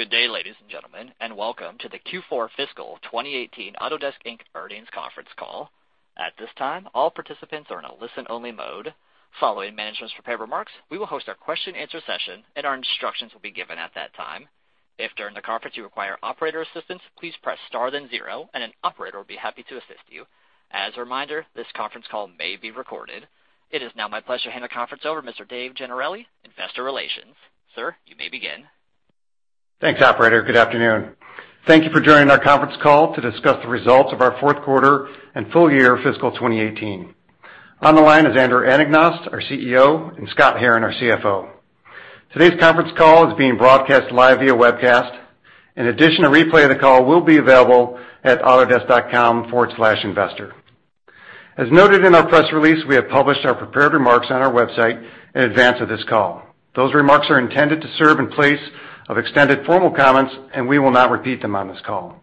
Good day, ladies and gentlemen. Welcome to the Q4 Fiscal 2018 Autodesk Inc. earnings conference call. At this time, all participants are in a listen-only mode. Following management's prepared remarks, we will host our question answer session, and our instructions will be given at that time. If during the conference you require operator assistance, please press star then zero, and an operator will be happy to assist you. As a reminder, this conference call may be recorded. It is now my pleasure to hand the conference over Mr. David Gennarelli, Investor Relations. Sir, you may begin. Thanks, operator. Good afternoon. Thank you for joining our conference call to discuss the results of our fourth quarter and full year fiscal 2018. On the line is Andrew Anagnost, our CEO, and Scott Herren, our CFO. Today's conference call is being broadcast live via webcast. In addition, a replay of the call will be available at autodesk.com/investor. As noted in our press release, we have published our prepared remarks on our website in advance of this call. Those remarks are intended to serve in place of extended formal comments, and we will not repeat them on this call.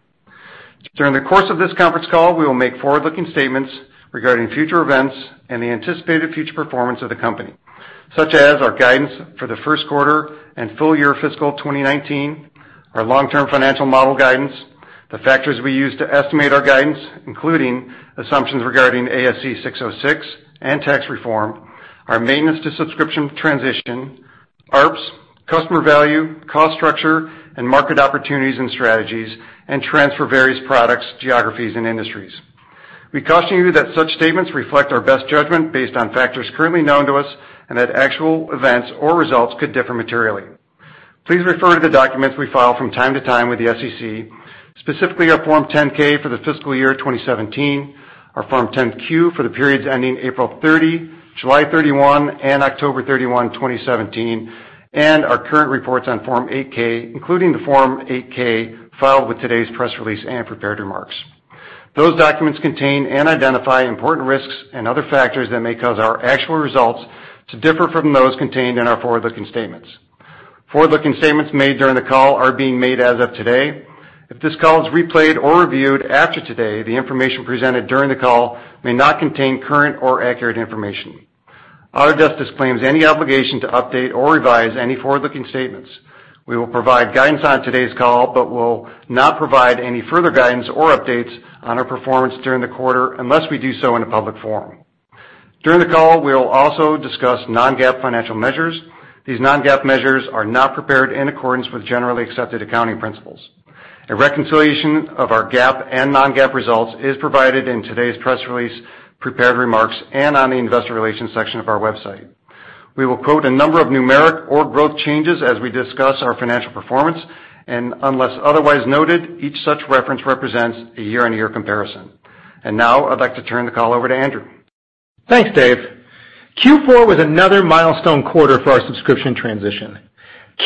During the course of this conference call, we will make forward-looking statements regarding future events and the anticipated future performance of the company, such as our guidance for the first quarter and full year fiscal 2019, our long-term financial model guidance, the factors we use to estimate our guidance, including assumptions regarding ASC 606 and tax reform, our maintenance to subscription transition, ARPS, customer value, cost structure, and market opportunities and strategies, and trends for various products, geographies, and industries. We caution you that such statements reflect our best judgment based on factors currently known to us and that actual events or results could differ materially. Please refer to the documents we file from time to time with the SEC, specifically our Form 10-K for the fiscal year 2017, our Form 10-Q for the periods ending April 30, July 31, and October 31, 2017, and our current reports on Form 8-K, including the Form 8-K filed with today's press release and prepared remarks. Those documents contain and identify important risks and other factors that may cause our actual results to differ from those contained in our forward-looking statements. Forward-looking statements made during the call are being made as of today. If this call is replayed or reviewed after today, the information presented during the call may not contain current or accurate information. Autodesk disclaims any obligation to update or revise any forward-looking statements. We will provide guidance on today's call but will not provide any further guidance or updates on our performance during the quarter unless we do so in a public forum. During the call, we will also discuss non-GAAP financial measures. These non-GAAP measures are not prepared in accordance with generally accepted accounting principles. A reconciliation of our GAAP and non-GAAP results is provided in today's press release, prepared remarks, and on the investor relations section of our website. We will quote a number of numeric or growth changes as we discuss our financial performance, and unless otherwise noted, each such reference represents a year-over-year comparison. Now I'd like to turn the call over to Andrew. Thanks, Dave. Q4 was another milestone quarter for our subscription transition.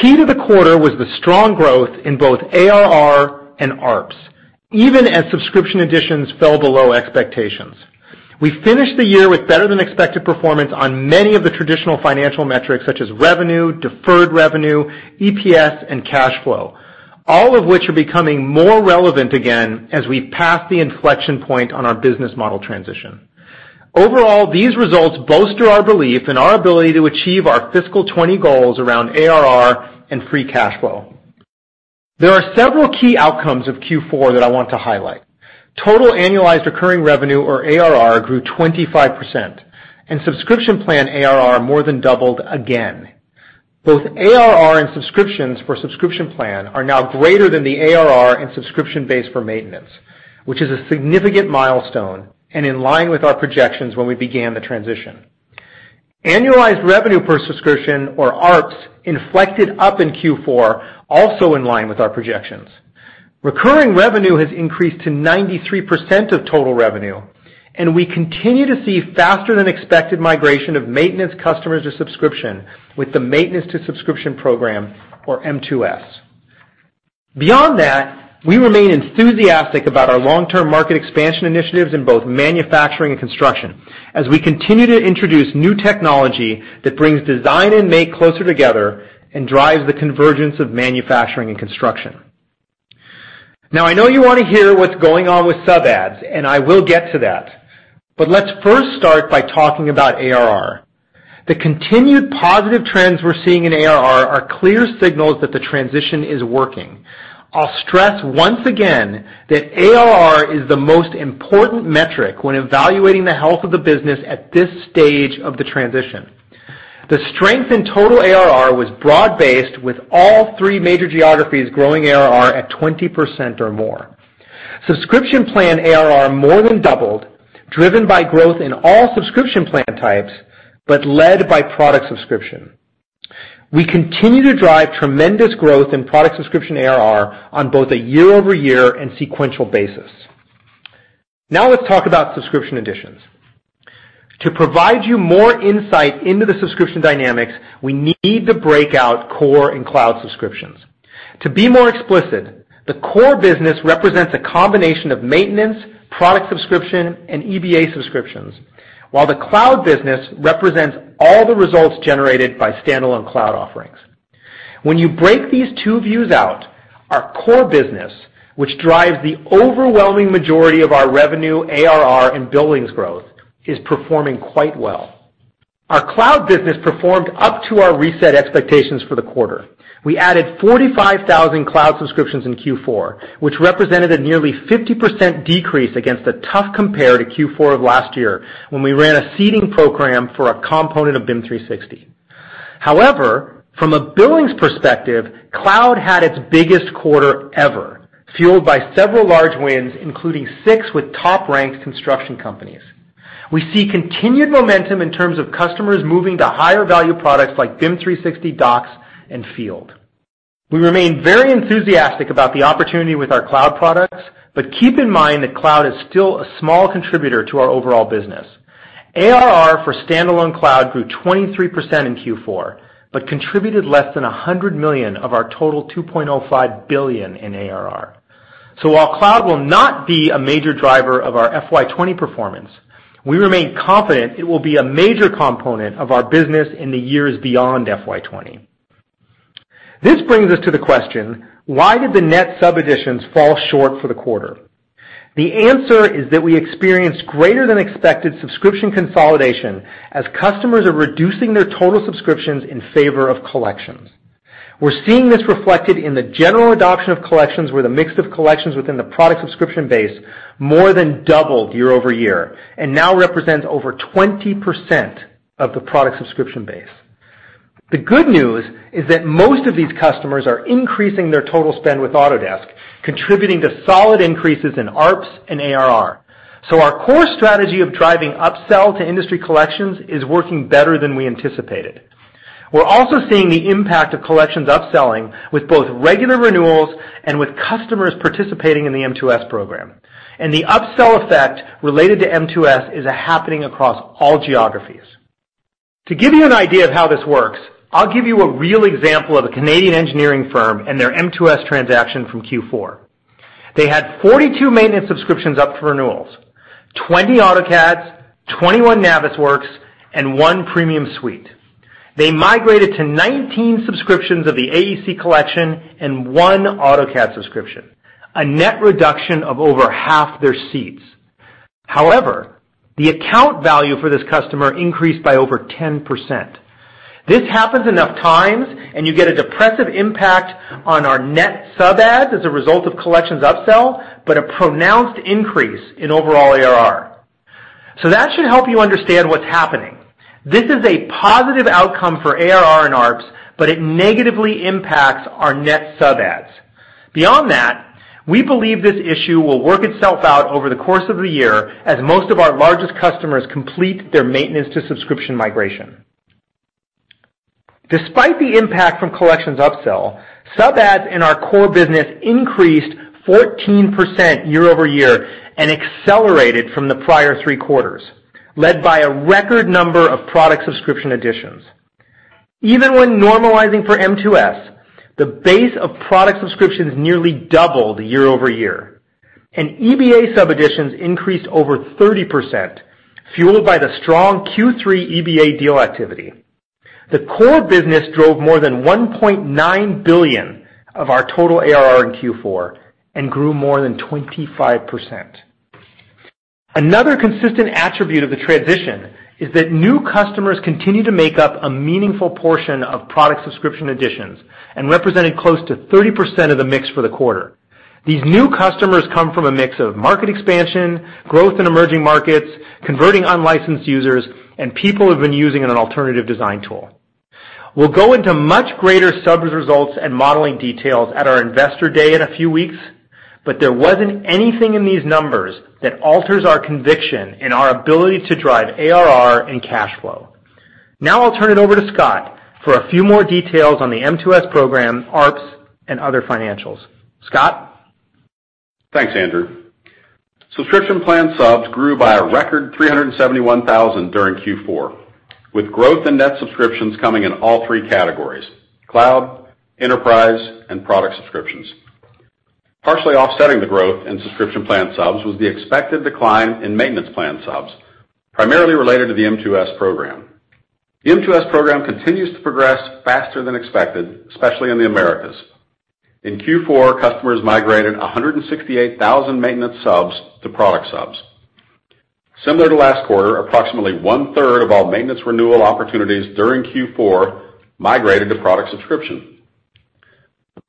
Key to the quarter was the strong growth in both ARR and ARPS, even as subscription additions fell below expectations. We finished the year with better-than-expected performance on many of the traditional financial metrics such as revenue, deferred revenue, EPS, and cash flow, all of which are becoming more relevant again as we pass the inflection point on our business model transition. Overall, these results bolster our belief in our ability to achieve our fiscal 2020 goals around ARR and free cash flow. There are several key outcomes of Q4 that I want to highlight. Total annualized recurring revenue or ARR grew 25%, and subscription plan ARR more than doubled again. Both ARR and subscriptions for subscription plan are now greater than the ARR and subscription base for maintenance, which is a significant milestone and in line with our projections when we began the transition. Annualized revenue per subscription, or ARPS, inflected up in Q4, also in line with our projections. Recurring revenue has increased to 93% of total revenue, and we continue to see faster than expected migration of maintenance customers to subscription with the maintenance to subscription program or M2S. Beyond that, we remain enthusiastic about our long-term market expansion initiatives in both manufacturing and construction as we continue to introduce new technology that brings design and make closer together and drives the convergence of manufacturing and construction. I know you want to hear what's going on with sub adds, and I will get to that. Let's first start by talking about ARR. The continued positive trends we're seeing in ARR are clear signals that the transition is working. I'll stress once again that ARR is the most important metric when evaluating the health of the business at this stage of the transition. The strength in total ARR was broad-based, with all three major geographies growing ARR at 20% or more. Subscription plan ARR more than doubled, driven by growth in all subscription plan types, but led by product subscription. We continue to drive tremendous growth in product subscription ARR on both a year-over-year and sequential basis. Let's talk about subscription additions. To provide you more insight into the subscription dynamics, we need to break out core and cloud subscriptions. To be more explicit, the core business represents a combination of maintenance, product subscription, and EBA subscriptions, while the cloud business represents all the results generated by standalone cloud offerings. When you break these two views out, our core business, which drives the overwhelming majority of our revenue, ARR, and billings growth, is performing quite well. Our cloud business performed up to our reset expectations for the quarter. We added 45,000 cloud subscriptions in Q4, which represented a nearly 50% decrease against a tough compare to Q4 of last year, when we ran a seeding program for a component of BIM 360. From a billings perspective, cloud had its biggest quarter ever, fueled by several large wins, including six with top-ranked construction companies. We see continued momentum in terms of customers moving to higher-value products like BIM 360 Docs and Field. We remain very enthusiastic about the opportunity with our cloud products, keep in mind that cloud is still a small contributor to our overall business. ARR for standalone cloud grew 23% in Q4, contributed less than $100 million of our total $2.05 billion in ARR. While cloud will not be a major driver of our FY 2020 performance, we remain confident it will be a major component of our business in the years beyond FY 2020. This brings us to the question: why did the net sub additions fall short for the quarter? The answer is that we experienced greater than expected subscription consolidation as customers are reducing their total subscriptions in favor of collections. We're seeing this reflected in the general adoption of collections, where the mix of collections within the product subscription base more than doubled year-over-year and now represents over 20% of the product subscription base. The good news is that most of these customers are increasing their total spend with Autodesk, contributing to solid increases in ARPS and ARR. Our core strategy of driving upsell to industry collections is working better than we anticipated. We're also seeing the impact of collections upselling with both regular renewals and with customers participating in the M2S program. The upsell effect related to M2S is happening across all geographies. To give you an idea of how this works, I'll give you a real example of a Canadian engineering firm and their M2S transaction from Q4. They had 42 maintenance subscriptions up for renewals, 20 AutoCADs, 21 Navisworks, and one Premium Suite. They migrated to 19 subscriptions of the AEC Collection and one AutoCAD subscription, a net reduction of over half their seats. The account value for this customer increased by over 10%. This happens enough times, you get a depressive impact on our net sub adds as a result of collections upsell, a pronounced increase in overall ARR. That should help you understand what's happening. This is a positive outcome for ARR and ARPS, it negatively impacts our net sub adds. Beyond that, we believe this issue will work itself out over the course of the year as most of our largest customers complete their maintenance to subscription migration. Despite the impact from collections upsell, sub adds in our core business increased 14% year-over-year and accelerated from the prior three quarters, led by a record number of product subscription additions. Even when normalizing for M2S, the base of product subscriptions nearly doubled year-over-year, EBA sub additions increased over 30%, fueled by the strong Q3 EBA deal activity. The core business drove more than $1.9 billion of our total ARR in Q4 and grew more than 25%. Another consistent attribute of the transition is that new customers continue to make up a meaningful portion of product subscription additions and represented close to 30% of the mix for the quarter. These new customers come from a mix of market expansion, growth in emerging markets, converting unlicensed users, and people who've been using an alternative design tool. We'll go into much greater subs results and modeling details at our investor day in a few weeks, but there wasn't anything in these numbers that alters our conviction in our ability to drive ARR and cash flow. Now I'll turn it over to Scott for a few more details on the M2S program, ARPS, and other financials. Scott? Thanks, Andrew. Subscription plan subs grew by a record 371,000 during Q4, with growth in net subscriptions coming in all three categories: cloud, enterprise, and product subscriptions. Partially offsetting the growth in subscription plan subs was the expected decline in maintenance plan subs, primarily related to the M2S program. The M2S program continues to progress faster than expected, especially in the Americas. In Q4, customers migrated 168,000 maintenance subs to product subs. Similar to last quarter, approximately one-third of all maintenance renewal opportunities during Q4 migrated to product subscription. Of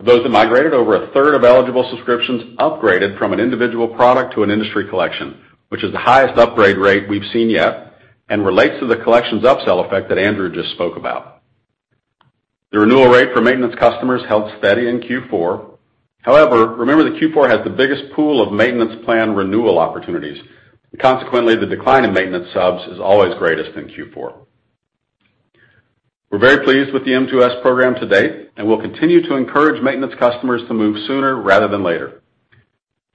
those that migrated, over a third of eligible subscriptions upgraded from an individual product to an industry collection, which is the highest upgrade rate we've seen yet and relates to the collections upsell effect that Andrew just spoke about. The renewal rate for maintenance customers held steady in Q4. Remember that Q4 has the biggest pool of maintenance plan renewal opportunities. The decline in maintenance subs is always greatest in Q4. We're very pleased with the M2S program to date, and we'll continue to encourage maintenance customers to move sooner rather than later.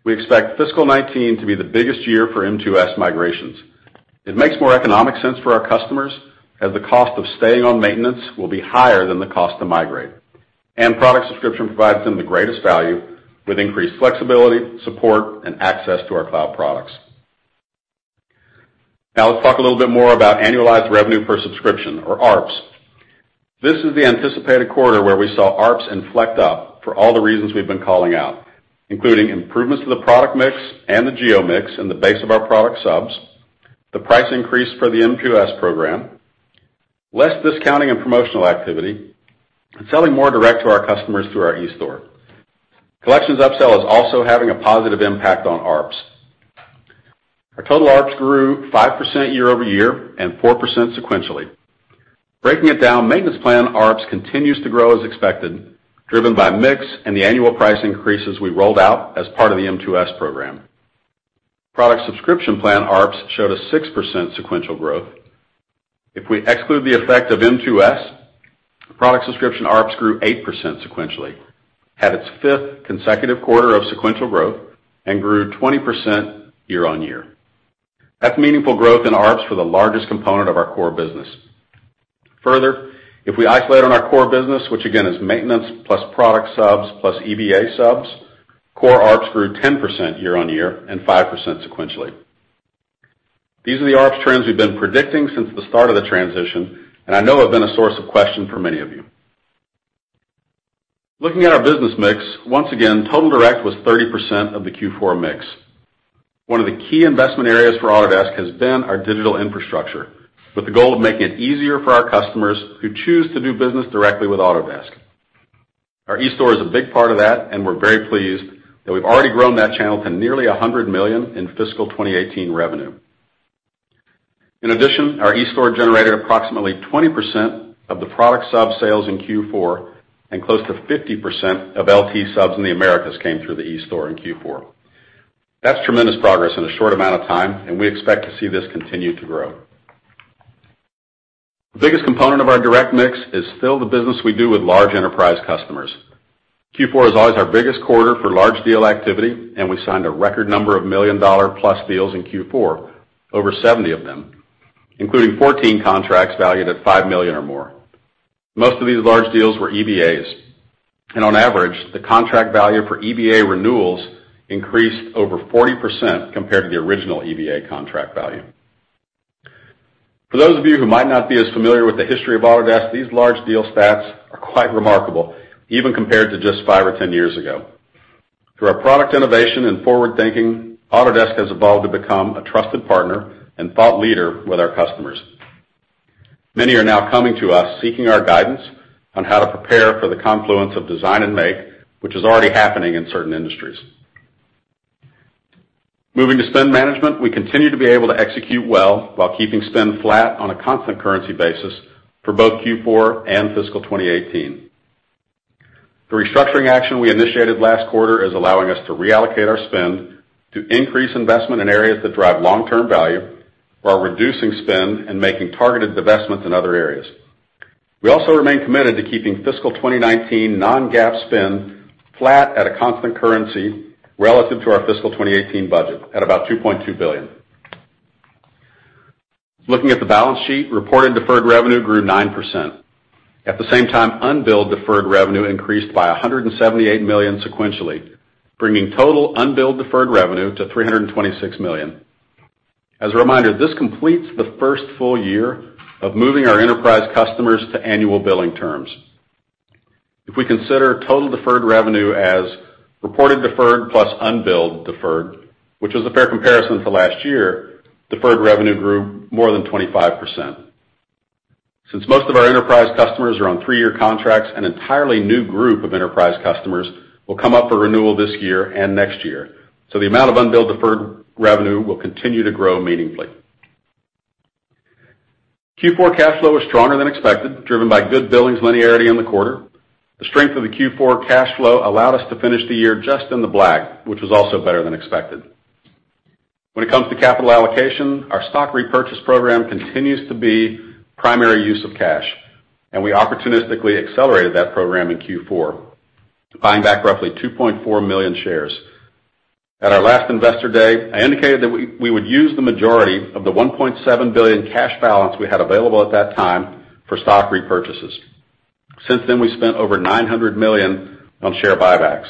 We expect fiscal 2019 to be the biggest year for M2S migrations. It makes more economic sense for our customers, as the cost of staying on maintenance will be higher than the cost to migrate. Product subscription provides them the greatest value with increased flexibility, support, and access to our cloud products. Let's talk a little bit more about annualized revenue per subscription, or ARPS. This is the anticipated quarter where we saw ARPS inflect up for all the reasons we've been calling out, including improvements to the product mix and the geo mix in the base of our product subs, the price increase for the M2S program, less discounting and promotional activity, and selling more direct to our customers through our eStore. Collections upsell is also having a positive impact on ARPS. Our total ARPS grew 5% year-over-year and 4% sequentially. Breaking it down, Maintenance Plan ARPS continues to grow as expected, driven by mix and the annual price increases we rolled out as part of the M2S program. Product Subscription Plan ARPS showed a 6% sequential growth. If we exclude the effect of M2S, Product Subscription ARPS grew 8% sequentially, had its fifth consecutive quarter of sequential growth, and grew 20% year-on-year. That's meaningful growth in ARPS for the largest component of our core business. Further, if we isolate on our core business, which again is maintenance plus product subs plus EBA subs, core ARPS grew 10% year-on-year and 5% sequentially. These are the ARPS trends we've been predicting since the start of the transition, and I know have been a source of question for many of you. Looking at our business mix, once again, total direct was 30% of the Q4 mix. One of the key investment areas for Autodesk has been our digital infrastructure, with the goal of making it easier for our customers who choose to do business directly with Autodesk. Our eStore is a big part of that, and we're very pleased that we've already grown that channel to nearly $100 million in fiscal 2018 revenue. Our eStore generated approximately 20% of the product sub-sales in Q4 and close to 50% of LT subs in the Americas came through the eStore in Q4. That's tremendous progress in a short amount of time, and we expect to see this continue to grow. The biggest component of our direct mix is still the business we do with large enterprise customers. Q4 is always our biggest quarter for large deal activity, and we signed a record number of million-dollar-plus deals in Q4, over 70 of them, including 14 contracts valued at $5 million or more. Most of these large deals were EBAs, and on average, the contract value for EBA renewals increased over 40% compared to the original EBA contract value. For those of you who might not be as familiar with the history of Autodesk, these large deal stats are quite remarkable, even compared to just five or 10 years ago. Through our product innovation and forward-thinking, Autodesk has evolved to become a trusted partner and thought leader with our customers. Many are now coming to us seeking our guidance on how to prepare for the confluence of design and make, which is already happening in certain industries. Moving to spend management, we continue to be able to execute well while keeping spend flat on a constant currency basis for both Q4 and fiscal 2018. The restructuring action we initiated last quarter is allowing us to reallocate our spend to increase investment in areas that drive long-term value, while reducing spend and making targeted divestments in other areas. We remain committed to keeping fiscal 2019 non-GAAP spend flat at a constant currency relative to our fiscal 2018 budget at about $2.2 billion. Looking at the balance sheet, reported deferred revenue grew 9%. At the same time, unbilled deferred revenue increased by $178 million sequentially, bringing total unbilled deferred revenue to $326 million. As a reminder, this completes the first full year of moving our enterprise customers to annual billing terms. If we consider total deferred revenue as reported deferred plus unbilled deferred, which was a fair comparison to last year, deferred revenue grew more than 25%. Since most of our enterprise customers are on three-year contracts, an entirely new group of enterprise customers will come up for renewal this year and next year. The amount of unbilled deferred revenue will continue to grow meaningfully. Q4 cash flow was stronger than expected, driven by good billings linearity in the quarter. The strength of the Q4 cash flow allowed us to finish the year just in the black, which was also better than expected. When it comes to capital allocation, our stock repurchase program continues to be primary use of cash. We opportunistically accelerated that program in Q4, buying back roughly 2.4 million shares. At our last Investor Day, I indicated that we would use the majority of the $1.7 billion cash balance we had available at that time for stock repurchases. Since then, we spent over $900 million on share buybacks.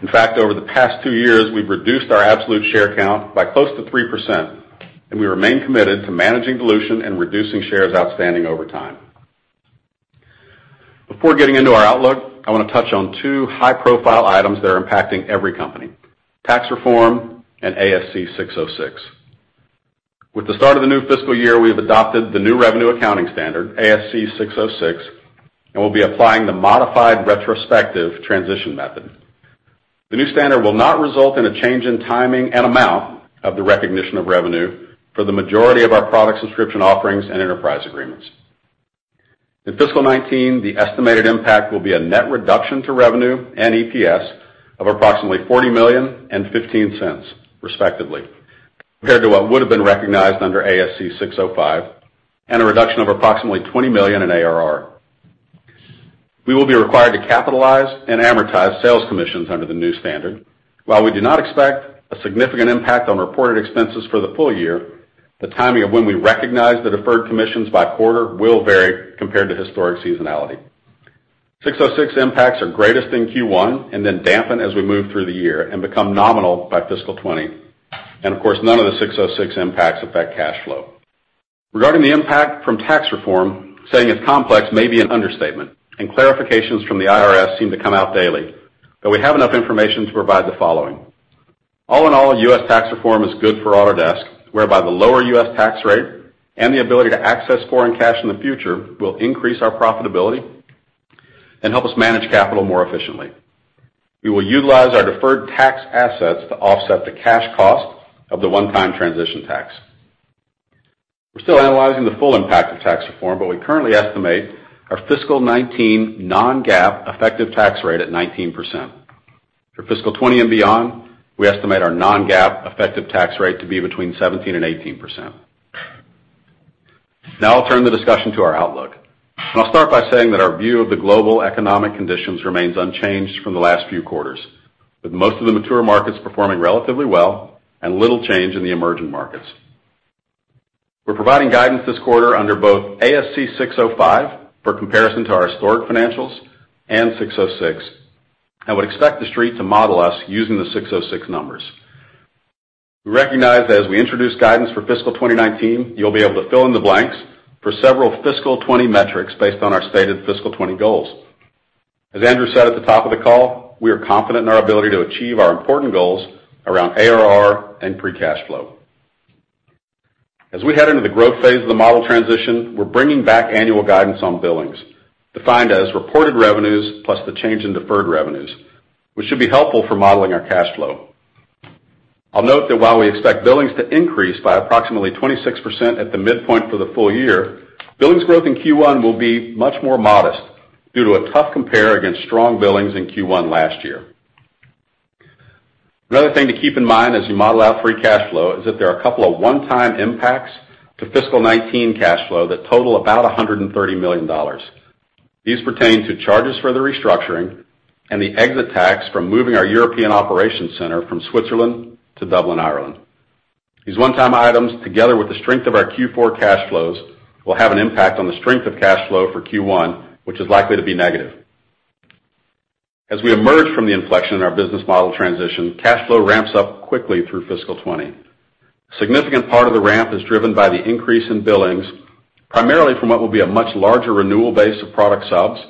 In fact, over the past two years, we've reduced our absolute share count by close to 3%, and we remain committed to managing dilution and reducing shares outstanding over time. Before getting into our outlook, I want to touch on two high-profile items that are impacting every company, tax reform and ASC 606. With the start of the new fiscal year, we've adopted the new revenue accounting standard, ASC 606, and we'll be applying the modified retrospective transition method. The new standard will not result in a change in timing and amount of the recognition of revenue for the majority of our product subscription offerings and enterprise agreements. In fiscal 2019, the estimated impact will be a net reduction to revenue and EPS of approximately $40 million and $0.15, respectively, compared to what would have been recognized under ASC 605, and a reduction of approximately $20 million in ARR. We will be required to capitalize and amortize sales commissions under the new standard. While we do not expect a significant impact on reported expenses for the full year, the timing of when we recognize the deferred commissions by quarter will vary compared to historic seasonality. 606 impacts are greatest in Q1 and then dampen as we move through the year and become nominal by fiscal 2020. Of course, none of the 606 impacts affect cash flow. Regarding the impact from tax reform, saying it's complex may be an understatement, and clarifications from the IRS seem to come out daily. We have enough information to provide the following. All in all, U.S. tax reform is good for Autodesk, whereby the lower U.S. tax rate and the ability to access foreign cash in the future will increase our profitability and help us manage capital more efficiently. We will utilize our deferred tax assets to offset the cash cost of the one-time transition tax. We're still analyzing the full impact of tax reform, but we currently estimate our fiscal 2019 non-GAAP effective tax rate at 19%. For fiscal 2020 and beyond, we estimate our non-GAAP effective tax rate to be between 17% and 18%. Now I'll turn the discussion to our outlook. I'll start by saying that our view of the global economic conditions remains unchanged from the last few quarters, with most of the mature markets performing relatively well and little change in the emerging markets. We're providing guidance this quarter under both ASC 605 for comparison to our historic financials and 606. I would expect the Street to model us using the 606 numbers. We recognize as we introduce guidance for fiscal 2019, you'll be able to fill in the blanks for several fiscal 2020 metrics based on our stated fiscal 2020 goals. As Andrew said at the top of the call, we are confident in our ability to achieve our important goals around ARR and free cash flow. As we head into the growth phase of the model transition, we are bringing back annual guidance on billings, defined as reported revenues plus the change in deferred revenues, which should be helpful for modeling our cash flow. I will note that while we expect billings to increase by approximately 26% at the midpoint for the full year, billings growth in Q1 will be much more modest due to a tough compare against strong billings in Q1 last year. Another thing to keep in mind as you model out free cash flow is that there are a couple of one-time impacts to fiscal 2019 cash flow that total about $130 million. These pertain to charges for the restructuring and the exit tax from moving our European operations center from Switzerland to Dublin, Ireland. These one-time items, together with the strength of our Q4 cash flows, will have an impact on the strength of cash flow for Q1, which is likely to be negative. As we emerge from the inflection in our business model transition, cash flow ramps up quickly through fiscal 2020. A significant part of the ramp is driven by the increase in billings, primarily from what will be a much larger renewal base of product subs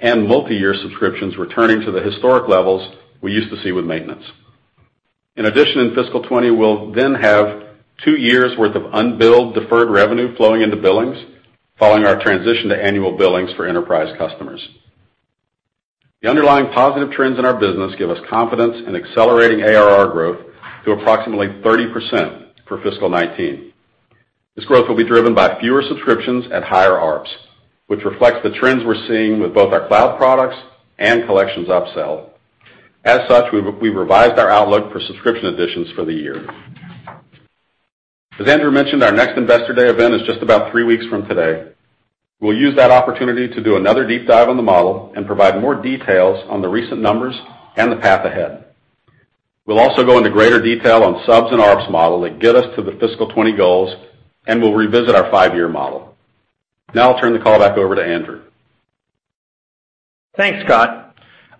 and multi-year subscriptions returning to the historic levels we used to see with maintenance. In addition, in fiscal 2020, we will then have two years' worth of unbilled deferred revenue flowing into billings following our transition to annual billings for enterprise customers. The underlying positive trends in our business give us confidence in accelerating ARR growth to approximately 30% for fiscal 2019. This growth will be driven by fewer subscriptions at higher ARPS, which reflects the trends we are seeing with both our cloud products and Collections upsell. As such, we revised our outlook for subscription additions for the year. As Andrew mentioned, our next Investor Day event is just about three weeks from today. We will use that opportunity to do another deep dive on the model and provide more details on the recent numbers and the path ahead. We will also go into greater detail on subs and ARPS model that get us to the fiscal 2020 goals, and we will revisit our five-year model. I will turn the call back over to Andrew. Thanks, Scott.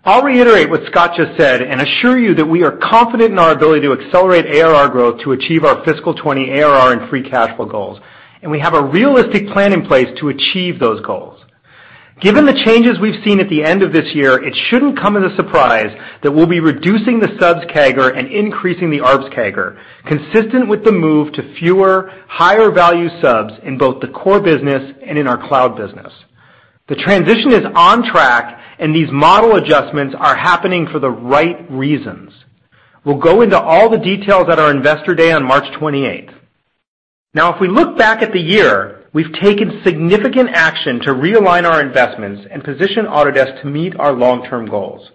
I will reiterate what Scott just said and assure you that we are confident in our ability to accelerate ARR growth to achieve our fiscal 2020 ARR and free cash flow goals. We have a realistic plan in place to achieve those goals. Given the changes we have seen at the end of this year, it should not come as a surprise that we will be reducing the subs CAGR and increasing the ARPS CAGR, consistent with the move to fewer, higher value subs in both the core business and in our cloud business. The transition is on track and these model adjustments are happening for the right reasons. We will go into all the details at our Investor Day on March 28th. If we look back at the year, we have taken significant action to realign our investments and position Autodesk to meet our long-term goals.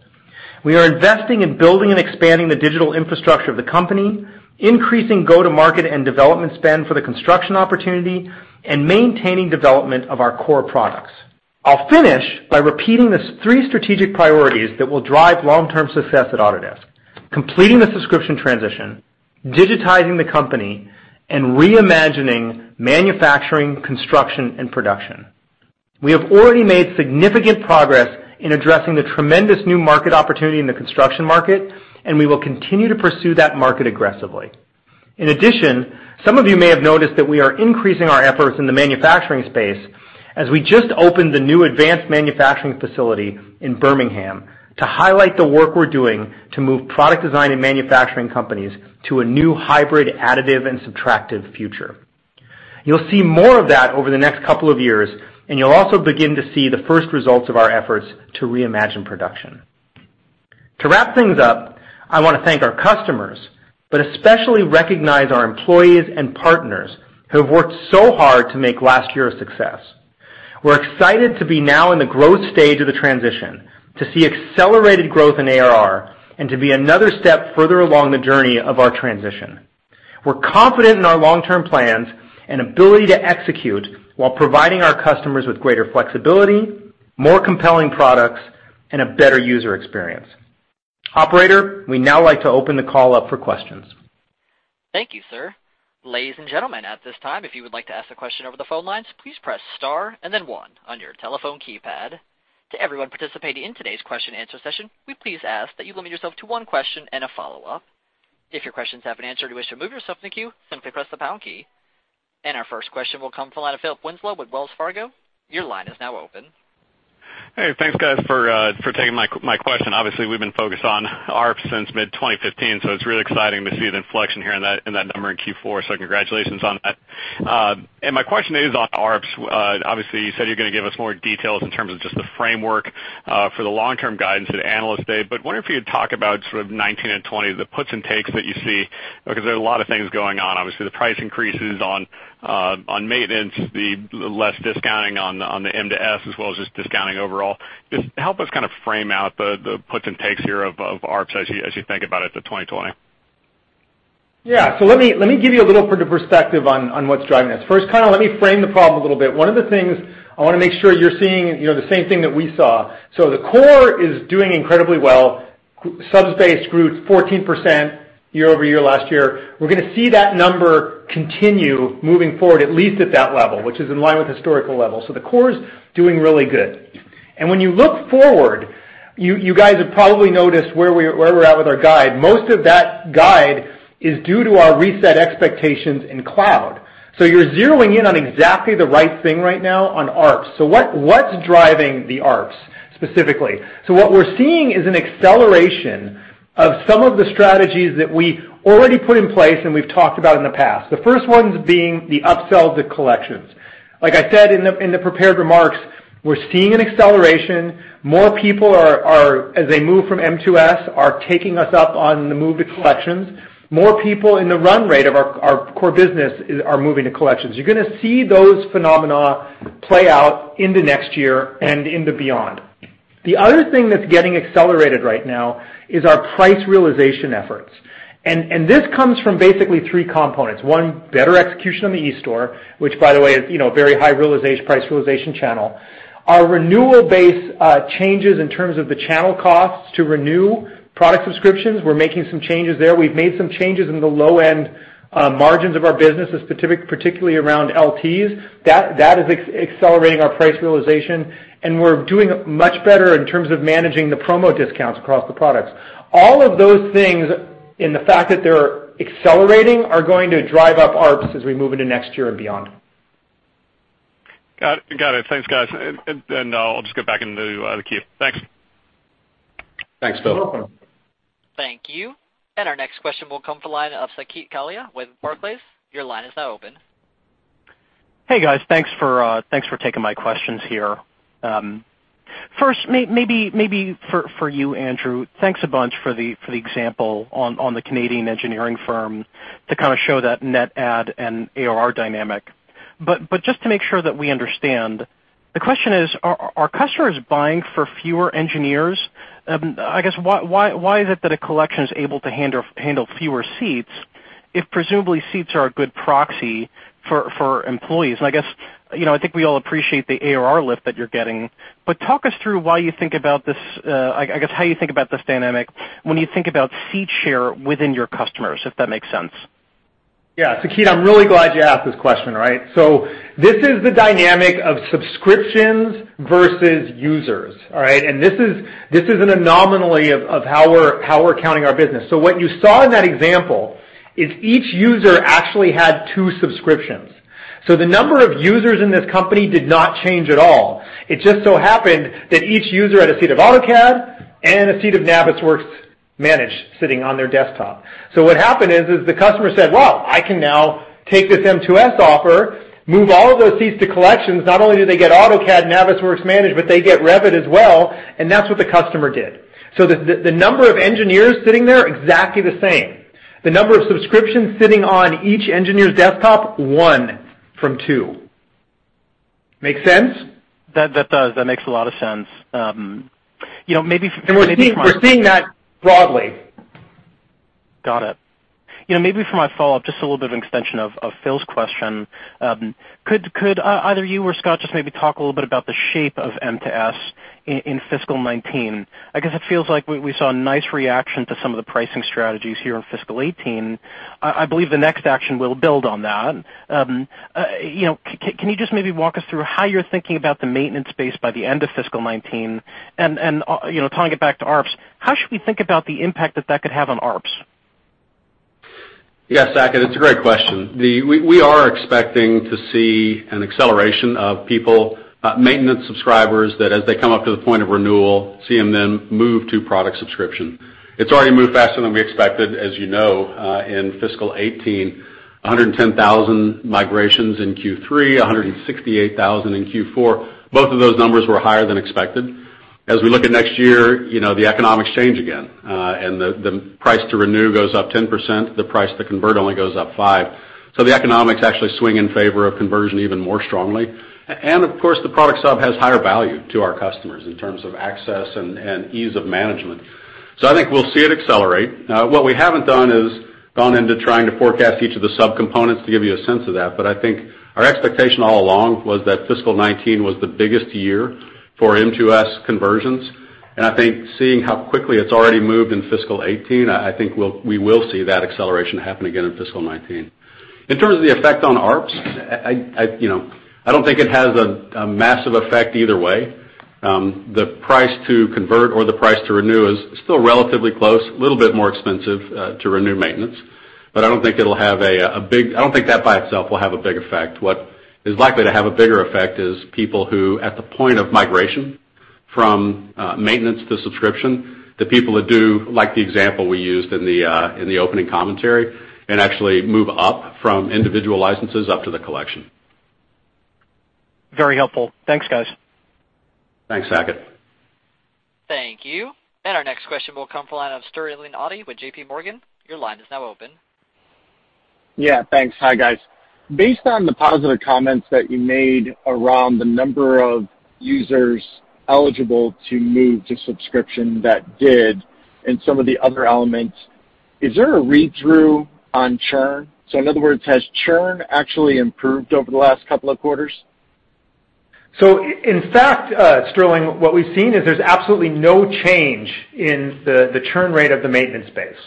We are investing in building and expanding the digital infrastructure of the company, increasing go-to-market and development spend for the construction opportunity, and maintaining development of our core products. I'll finish by repeating the three strategic priorities that will drive long-term success at Autodesk. Completing the subscription transition, digitizing the company, and reimagining manufacturing, construction, and production. We have already made significant progress in addressing the tremendous new market opportunity in the construction market, and we will continue to pursue that market aggressively. In addition, some of you may have noticed that we are increasing our efforts in the manufacturing space as we just opened the new advanced manufacturing facility in Birmingham to highlight the work we're doing to move product design and manufacturing companies to a new hybrid additive and subtractive future. You'll see more of that over the next couple of years. You'll also begin to see the first results of our efforts to reimagine production. To wrap things up, I want to thank our customers, but especially recognize our employees and partners who have worked so hard to make last year a success. We're excited to be now in the growth stage of the transition, to see accelerated growth in ARR, and to be another step further along the journey of our transition. We're confident in our long-term plans and ability to execute while providing our customers with greater flexibility, more compelling products, and a better user experience. Operator, we'd now like to open the call up for questions. Thank you, sir. Ladies and gentlemen, at this time, if you would like to ask a question over the phone lines, please press star and then one on your telephone keypad. To everyone participating in today's question and answer session, we please ask that you limit yourself to one question and a follow-up. If your questions have been answered or wish to remove yourself from the queue, simply press the pound key. Our first question will come from the line of Philip Winslow with Wells Fargo. Your line is now open. Hey, thanks, guys, for taking my question. Obviously, we've been focused on ARPS since mid-2015, so it's really exciting to see the inflection here in that number in Q4. Congratulations on that. My question is on ARPS. Obviously, you said you're going to give us more details in terms of just the framework for the long-term guidance at Analyst Day, but wonder if you'd talk about sort of 2019 and 2020, the puts and takes that you see, because there are a lot of things going on. Obviously, the price increases on maintenance, the less discounting on the M2S, as well as just discounting overall. Just help us kind of frame out the puts and takes here of ARPS as you think about it to 2020. Yeah. Let me give you a little bit of perspective on what's driving this. First, kind of let me frame the problem a little bit. One of the things I want to make sure you're seeing the same thing that we saw. The core is doing incredibly well. Subs-based grew 14% year-over-year last year. We're going to see that number continue moving forward, at least at that level, which is in line with historical levels. The core's doing really good. When you look forward, you guys have probably noticed where we're at with our guide. Most of that guide is due to our reset expectations in cloud. You're zeroing in on exactly the right thing right now on ARPS. What's driving the ARPS specifically? What we're seeing is an acceleration of some of the strategies that we already put in place, and we've talked about in the past. The first ones being the upsell to Collections. Like I said in the prepared remarks, we're seeing an acceleration. More people, as they move from M2S, are taking us up on the move to Collections. More people in the run rate of our core business are moving to Collections. You're going to see those phenomena play out into next year and into beyond. The other thing that's getting accelerated right now is our price realization efforts. This comes from basically three components. One, better execution on the eStore, which by the way, is very high price realization channel. Our renewal-based changes in terms of the channel costs to renew product subscriptions, we're making some changes there. We've made some changes in the low-end margins of our business, particularly around LTs. That is accelerating our price realization, and we're doing much better in terms of managing the promo discounts across the products. All of those things, and the fact that they're accelerating, are going to drive up ARPS as we move into next year and beyond. Got it. Thanks, guys. I'll just go back into the queue. Thanks. Thanks, Philip. You're welcome. Thank you. Our next question will come from the line of Saket Kalia with Barclays. Your line is now open. Hey, guys. Thanks for taking my questions here. First, maybe for you, Andrew, thanks a bunch for the example on the Canadian engineering firm to kind of show that net add and ARR dynamic. Just to make sure that we understand, the question is, are customers buying for fewer engineers? I guess, why is it that a collection is able to handle fewer seats if presumably seats are a good proxy for employees? I guess, I think we all appreciate the ARR lift that you're getting, but talk us through why you think about this, I guess how you think about this dynamic when you think about seat share within your customers, if that makes sense. Saket, I'm really glad you asked this question, right? This is the dynamic of subscriptions versus users, all right? This is an anomaly of how we're counting our business. What you saw in that example is each user actually had two subscriptions. The number of users in this company did not change at all. It just so happened that each user had a seat of AutoCAD and a seat of Navisworks Manage sitting on their desktop. What happened is the customer said, "Well, I can now take this M2S offer, move all of those seats to collections." Not only do they get AutoCAD and Navisworks Manage, but they get Revit as well, and that's what the customer did. The number of engineers sitting there, exactly the same. The number of subscriptions sitting on each engineer's desktop, one from two. Make sense? That does. That makes a lot of sense. We're seeing that broadly. Got it. Maybe for my follow-up, just a little bit of an extension of Phil's question. Could either you or Scott just maybe talk a little bit about the shape of M2S in fiscal 2019? I guess it feels like we saw a nice reaction to some of the pricing strategies here in fiscal 2018. I believe the next action will build on that. Can you just maybe walk us through how you're thinking about the maintenance base by the end of fiscal 2019? Tying it back to ARPS, how should we think about the impact that that could have on ARPS? Yes, Saket, it's a great question. We are expecting to see an acceleration of people, maintenance subscribers, that as they come up to the point of renewal, seeing them move to product subscription. It's already moved faster than we expected, as you know, in fiscal 2018. 110,000 migrations in Q3, 168,000 in Q4. Both of those numbers were higher than expected. As we look at next year, the economics change again. The price to renew goes up 10%, the price to convert only goes up 5%. The economics actually swing in favor of conversion even more strongly. Of course, the product sub has higher value to our customers in terms of access and ease of management. I think we'll see it accelerate. What we haven't done is gone into trying to forecast each of the subcomponents to give you a sense of that, but I think our expectation all along was that fiscal 2019 was the biggest year for M2S conversions. I think seeing how quickly it's already moved in fiscal 2018, I think we will see that acceleration happen again in fiscal 2019. In terms of the effect on ARPS, I don't think it has a massive effect either way. The price to convert or the price to renew is still relatively close, a little bit more expensive to renew maintenance. I don't think that by itself will have a big effect. What is likely to have a bigger effect is people who, at the point of migration from maintenance to subscription, the people that do, like the example we used in the opening commentary, and actually move up from individual licenses up to the collection. Very helpful. Thanks, guys. Thanks, Saket. Thank you. Our next question will come from the line of Sterling Auty with JP Morgan. Your line is now open. Yeah, thanks. Hi, guys. Based on the positive comments that you made around the number of users eligible to move to subscription that did, and some of the other elements, is there a read-through on churn? In other words, has churn actually improved over the last couple of quarters? In fact, Sterling, what we've seen is there's absolutely no change in the churn rate of the maintenance base.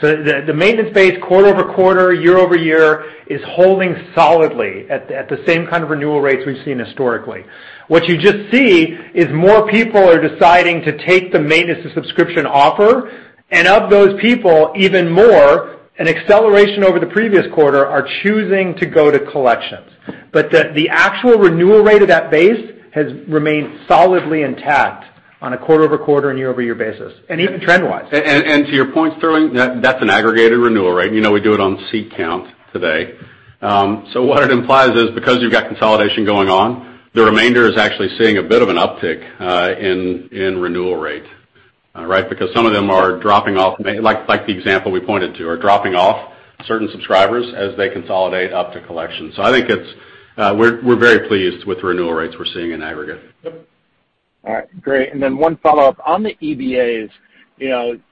The maintenance base, quarter-over-quarter, year-over-year, is holding solidly at the same kind of renewal rates we've seen historically. What you just see is more people are deciding to take the maintenance to subscription offer, and of those people, even more, an acceleration over the previous quarter, are choosing to go to collections. The actual renewal rate of that base has remained solidly intact on a quarter-over-quarter and year-over-year basis, and even trend-wise. To your point, Sterling, that's an aggregated renewal rate. We do it on seat count today. What it implies is, because you've got consolidation going on, the remainder is actually seeing a bit of an uptick in renewal rate. Some of them are dropping off, like the example we pointed to, are dropping off certain subscribers as they consolidate up to Collection. I think we're very pleased with the renewal rates we're seeing in aggregate. All right, great. Then one follow-up. On the EBAs,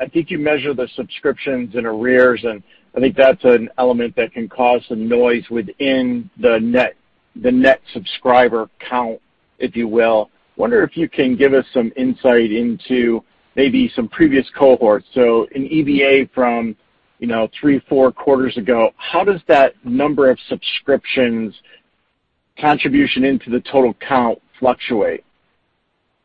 I think you measure the subscriptions in arrears, and I think that's an element that can cause some noise within the net subscriber count, if you will. I wonder if you can give us some insight into maybe some previous cohorts. An EBA from three, four quarters ago, how does that number of subscriptions contribution into the total count fluctuate?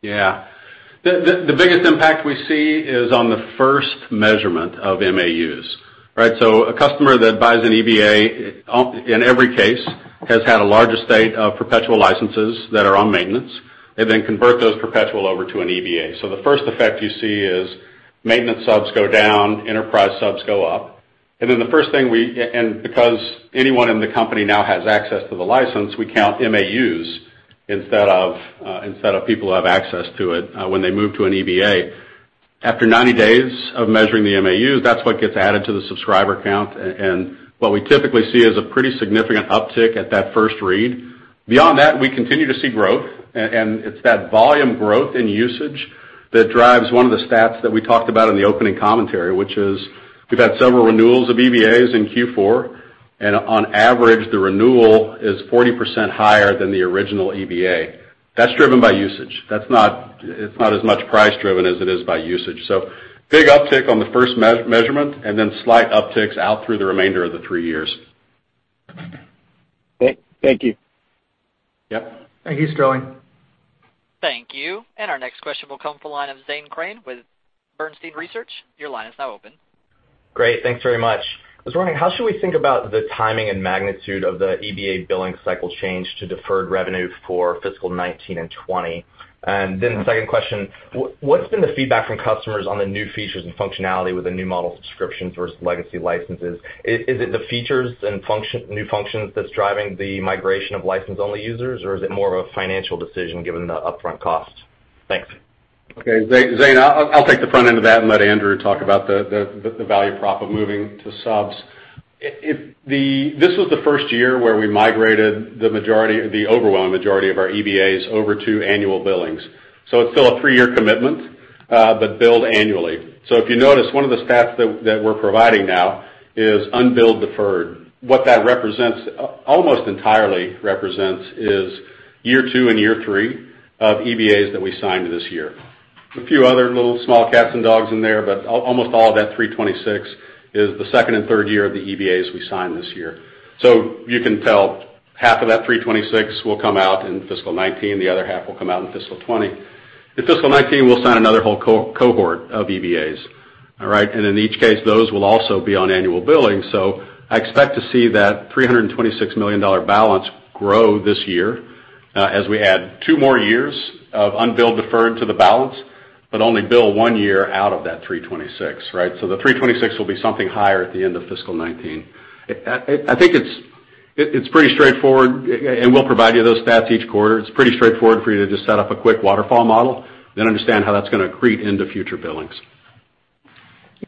The biggest impact we see is on the first measurement of MAUs. A customer that buys an EBA, in every case, has had a larger state of perpetual licenses that are on maintenance, and then convert those perpetual over to an EBA. The first effect you see is maintenance subs go down, enterprise subs go up. Because anyone in the company now has access to the license, we count MAUs instead of people who have access to it when they move to an EBA. After 90 days of measuring the MAU, that's what gets added to the subscriber count. What we typically see is a pretty significant uptick at that first read. Beyond that, we continue to see growth, and it's that volume growth in usage that drives one of the stats that we talked about in the opening commentary, which is we've had several renewals of EBAs in Q4, and on average, the renewal is 40% higher than the original EBA. That's driven by usage. It's not as much price-driven as it is by usage. Big uptick on the first measurement, and then slight upticks out through the remainder of the three years. Thank you. Yep. Thank you, Sterling. Thank you. Our next question will come from the line of Zane Chrane with Bernstein Research. Your line is now open. Great. Thanks very much. I was wondering, how should we think about the timing and magnitude of the EBA billing cycle change to deferred revenue for fiscal 2019 and 2020? The second question, what's been the feedback from customers on the new features and functionality with the new model subscription versus legacy licenses? Is it the features and new functions that's driving the migration of license-only users, or is it more of a financial decision given the upfront cost? Thanks. Okay, Zane, I'll take the front end of that and let Andrew talk about the value prop of moving to subs. This was the first year where we migrated the overwhelming majority of our EBAs over to annual billings. It's still a three-year commitment, but billed annually. If you notice, one of the stats that we're providing now is unbilled deferred. What that almost entirely represents is year 2 and year 3 of EBAs that we signed this year. A few other little small cats and dogs in there, but almost all of that $326 is the second and third year of the EBAs we signed this year. You can tell half of that $326 will come out in fiscal 2019, the other half will come out in fiscal 2020. In fiscal 2019, we'll sign another whole cohort of EBAs. All right? In each case, those will also be on annual billing. I expect to see that $326 million balance grow this year as we add 2 more years of unbilled deferred to the balance, but only bill 1 year out of that $326. The $326 will be something higher at the end of fiscal 2019. I think it's pretty straightforward, and we'll provide you those stats each quarter. It's pretty straightforward for you to just set up a quick waterfall model, understand how that's going to accrete into future billings.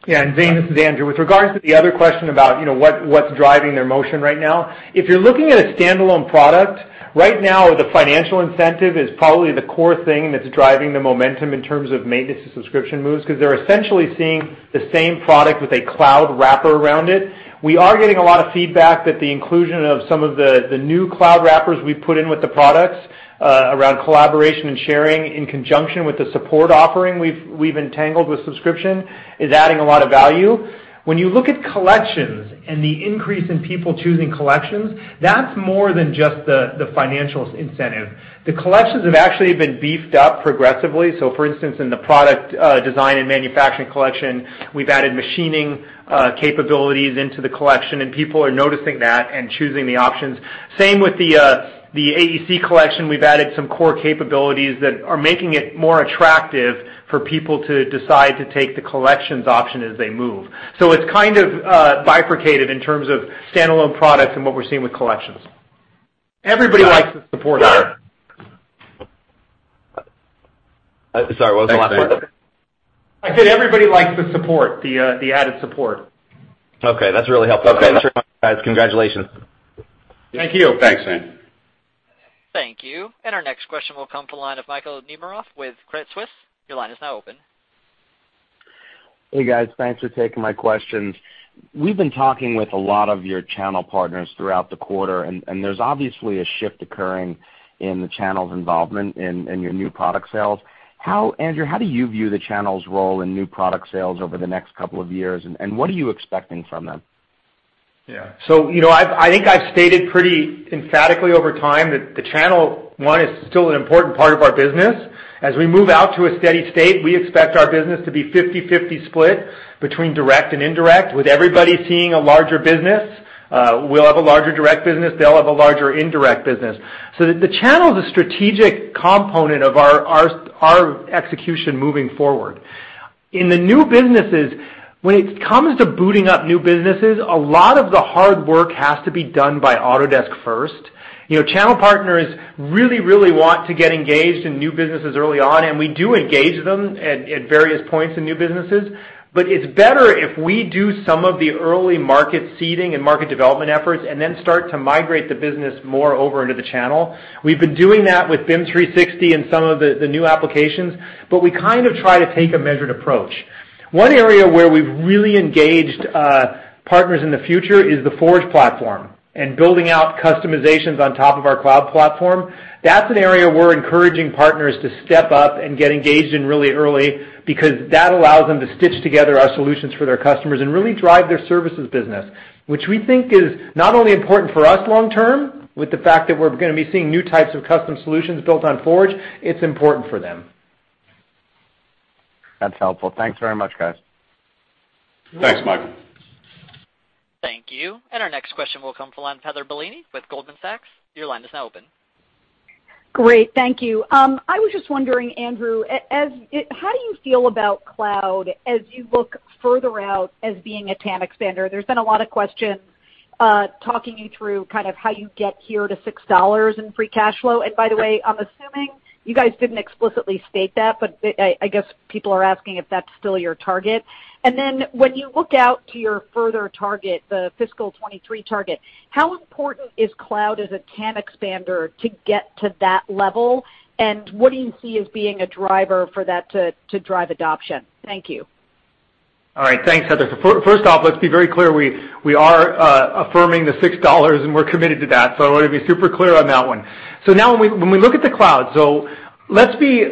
Yeah. Zane, this is Andrew. With regards to the other question about what's driving their motion right now, if you're looking at a standalone product, right now, the financials incentive is probably the core thing that's driving the momentum in terms of maintenance to subscription moves, because they're essentially seeing the same product with a cloud wrapper around it. We are getting a lot of feedback that the inclusion of some of the new cloud wrappers we've put in with the products, around collaboration and sharing in conjunction with the support offering we've entangled with subscription, is adding a lot of value. When you look at Collections and the increase in people choosing Collections, that's more than just the financials incentive. The Collections have actually been beefed up progressively. For instance, in the Product Design & Manufacturing Collection, we've added machining capabilities into the Collection, and people are noticing that and choosing the options. Same with the AEC Collection. We've added some core capabilities that are making it more attractive for people to decide to take the Collections option as they move. It's kind of bifurcated in terms of standalone products and what we're seeing with Collections. Everybody likes the support. Sorry. Sorry, what was the last part? I said everybody likes the support, the added support. Okay. That's really helpful. Okay. Thanks very much, guys. Congratulations. Thank you. Thanks, Zane. Thank you. Our next question will come to the line of Michael Nemeroff with Credit Suisse. Your line is now open. Hey, guys. Thanks for taking my questions. We've been talking with a lot of your channel partners throughout the quarter, and there's obviously a shift occurring in the channel's involvement in your new product sales. Andrew, how do you view the channel's role in new product sales over the next couple of years, and what are you expecting from them? Yeah. I think I've stated pretty emphatically over time that the channel, one, is still an important part of our business. As we move out to a steady state, we expect our business to be 50/50 split between direct and indirect, with everybody seeing a larger business. We'll have a larger direct business. They'll have a larger indirect business. The channel's a strategic component of our execution moving forward. In the new businesses, when it comes to booting up new businesses, a lot of the hard work has to be done by Autodesk first. Channel partners really want to get engaged in new businesses early on, and we do engage them at various points in new businesses, but it's better if we do some of the early market seeding and market development efforts and then start to migrate the business more over into the channel. We've been doing that with BIM 360 and some of the new applications, but we kind of try to take a measured approach. One area where we've really engaged partners in the future is the Forge platform and building out customizations on top of our cloud platform. That's an area we're encouraging partners to step up and get engaged in really early because that allows them to stitch together our solutions for their customers and really drive their services business, which we think is not only important for us long term, with the fact that we're going to be seeing new types of custom solutions built on Forge, it's important for them. That's helpful. Thanks very much, guys. Thanks, Michael. Thank you. Our next question will come from the line of Heather Bellini with Goldman Sachs. Your line is now open. Great. Thank you. I was just wondering, Andrew, how do you feel about cloud as you look further out as being a TAM expander? There's been a lot of questions, talking you through how you get here to $6 in free cash flow. By the way, I'm assuming you guys didn't explicitly state that, but I guess people are asking if that's still your target. Then when you look out to your further target, the FY 2023 target, how important is cloud as a TAM expander to get to that level, and what do you see as being a driver for that to drive adoption? Thank you. All right. Thanks, Heather. First off, let's be very clear. We are affirming the $6, and we're committed to that. I want to be super clear on that one. Now when we look at the cloud, let's be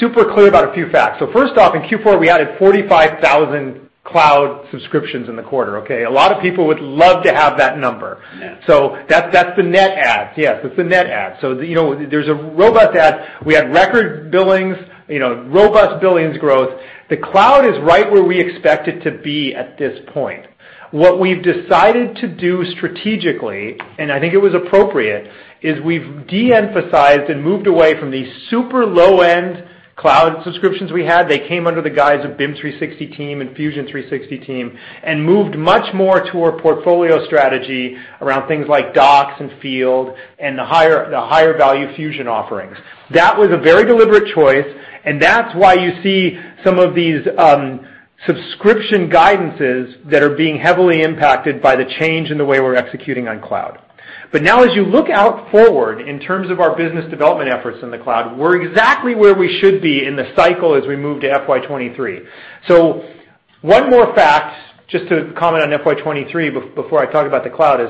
super clear about a few facts. First off, in Q4, we added 45,000 cloud subscriptions in the quarter, okay? A lot of people would love to have that number. Yeah. That's the net add. Yes, that's the net add. There's a robust add. We had record billings, robust billings growth. The cloud is right where we expect it to be at this point. What we've decided to do strategically, and I think it was appropriate, is we've de-emphasized and moved away from these super low-end cloud subscriptions we had. They came under the guise of BIM 360 Team and Fusion 360 Team, and moved much more to our portfolio strategy around things like Docs and Field and the higher value Fusion offerings. That was a very deliberate choice, and that's why you see some of these subscription guidances that are being heavily impacted by the change in the way we're executing on cloud. Now as you look out forward in terms of our business development efforts in the cloud, we're exactly where we should be in the cycle as we move to FY 2023. One more fact, just to comment on FY 2023 before I talk about the cloud is,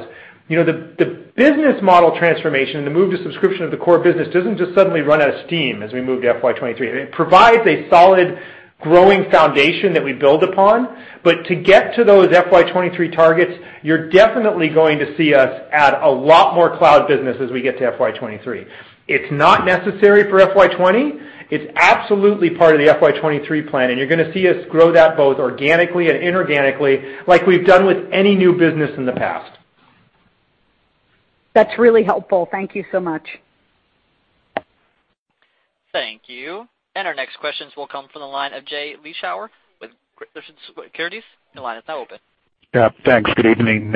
the business model transformation and the move to subscription of the core business doesn't just suddenly run out of steam as we move to FY 2023. It provides a solid, growing foundation that we build upon. To get to those FY 2023 targets, you're definitely going to see us add a lot more cloud business as we get to FY 2023. It's not necessary for FY 2020. It's absolutely part of the FY 2023 plan, and you're going to see us grow that both organically and inorganically like we've done with any new business in the past. That's really helpful. Thank you so much. Thank you. Our next questions will come from the line of Jay Vleeschhouwer with Securities. Your line is now open. Thanks. Good evening.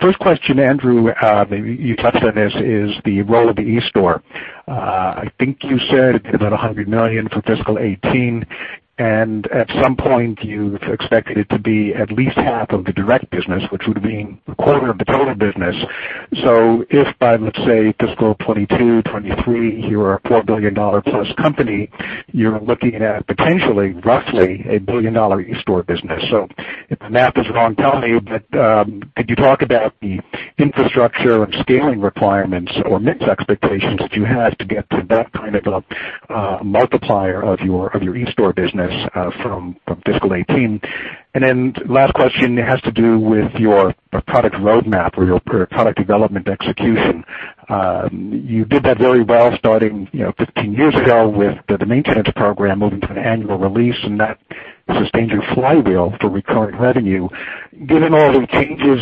First question, Andrew, maybe you touched on this, is the role of the eStore. I think you said about $100 million for fiscal 2018. At some point, you've expected it to be at least half of the direct business, which would mean a quarter of the total business. If by, let's say, fiscal 2022, 2023, you're a $4 billion+ company, you're looking at potentially roughly a billion-dollar eStore business. If the math is wrong, tell me. Could you talk about the infrastructure and scaling requirements or mixed expectations that you had to get to that kind of a multiplier of your eStore business from fiscal 2018? Last question has to do with your product roadmap or your product development execution. You did that very well starting 15 years ago with the maintenance program, moving to an annual release. That sustained your flywheel for recurring revenue. Given all the changes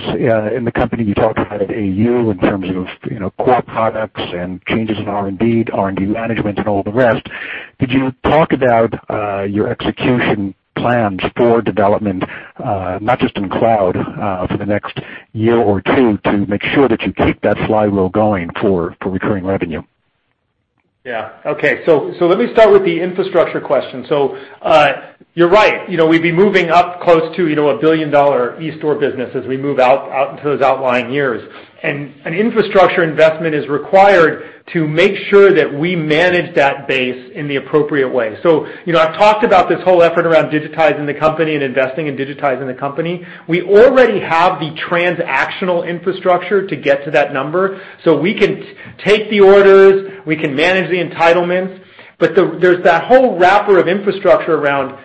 in the company, you talked about AU in terms of core products and changes in R&D, R&D management, and all the rest. Could you talk about your execution plans for development, not just in cloud, for the next year or two to make sure that you keep that flywheel going for recurring revenue? Yeah. Okay. Let me start with the infrastructure question. You're right. We'd be moving up close to a billion-dollar eStore business as we move out into those outlying years. An infrastructure investment is required to make sure that we manage that base in the appropriate way. I've talked about this whole effort around digitizing the company and investing in digitizing the company. We already have the transactional infrastructure to get to that number. We can take the orders, we can manage the entitlements, but there's that whole wrapper of infrastructure around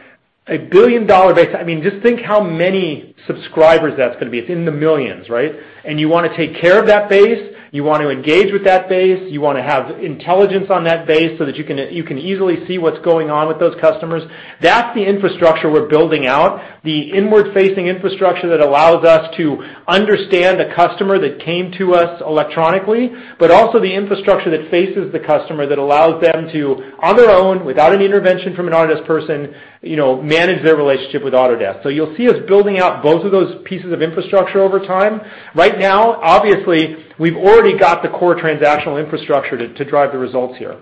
a billion-dollar base. Just think how many subscribers that's going to be. It's in the millions, right? You want to take care of that base. You want to engage with that base. You want to have intelligence on that base so that you can easily see what's going on with those customers. That's the infrastructure we're building out, the inward-facing infrastructure that allows us to understand the customer that came to us electronically, but also the infrastructure that faces the customer that allows them to, on their own, without any intervention from an Autodesk person, manage their relationship with Autodesk. You'll see us building out both of those pieces of infrastructure over time. Right now, obviously, we've already got the core transactional infrastructure to drive the results here.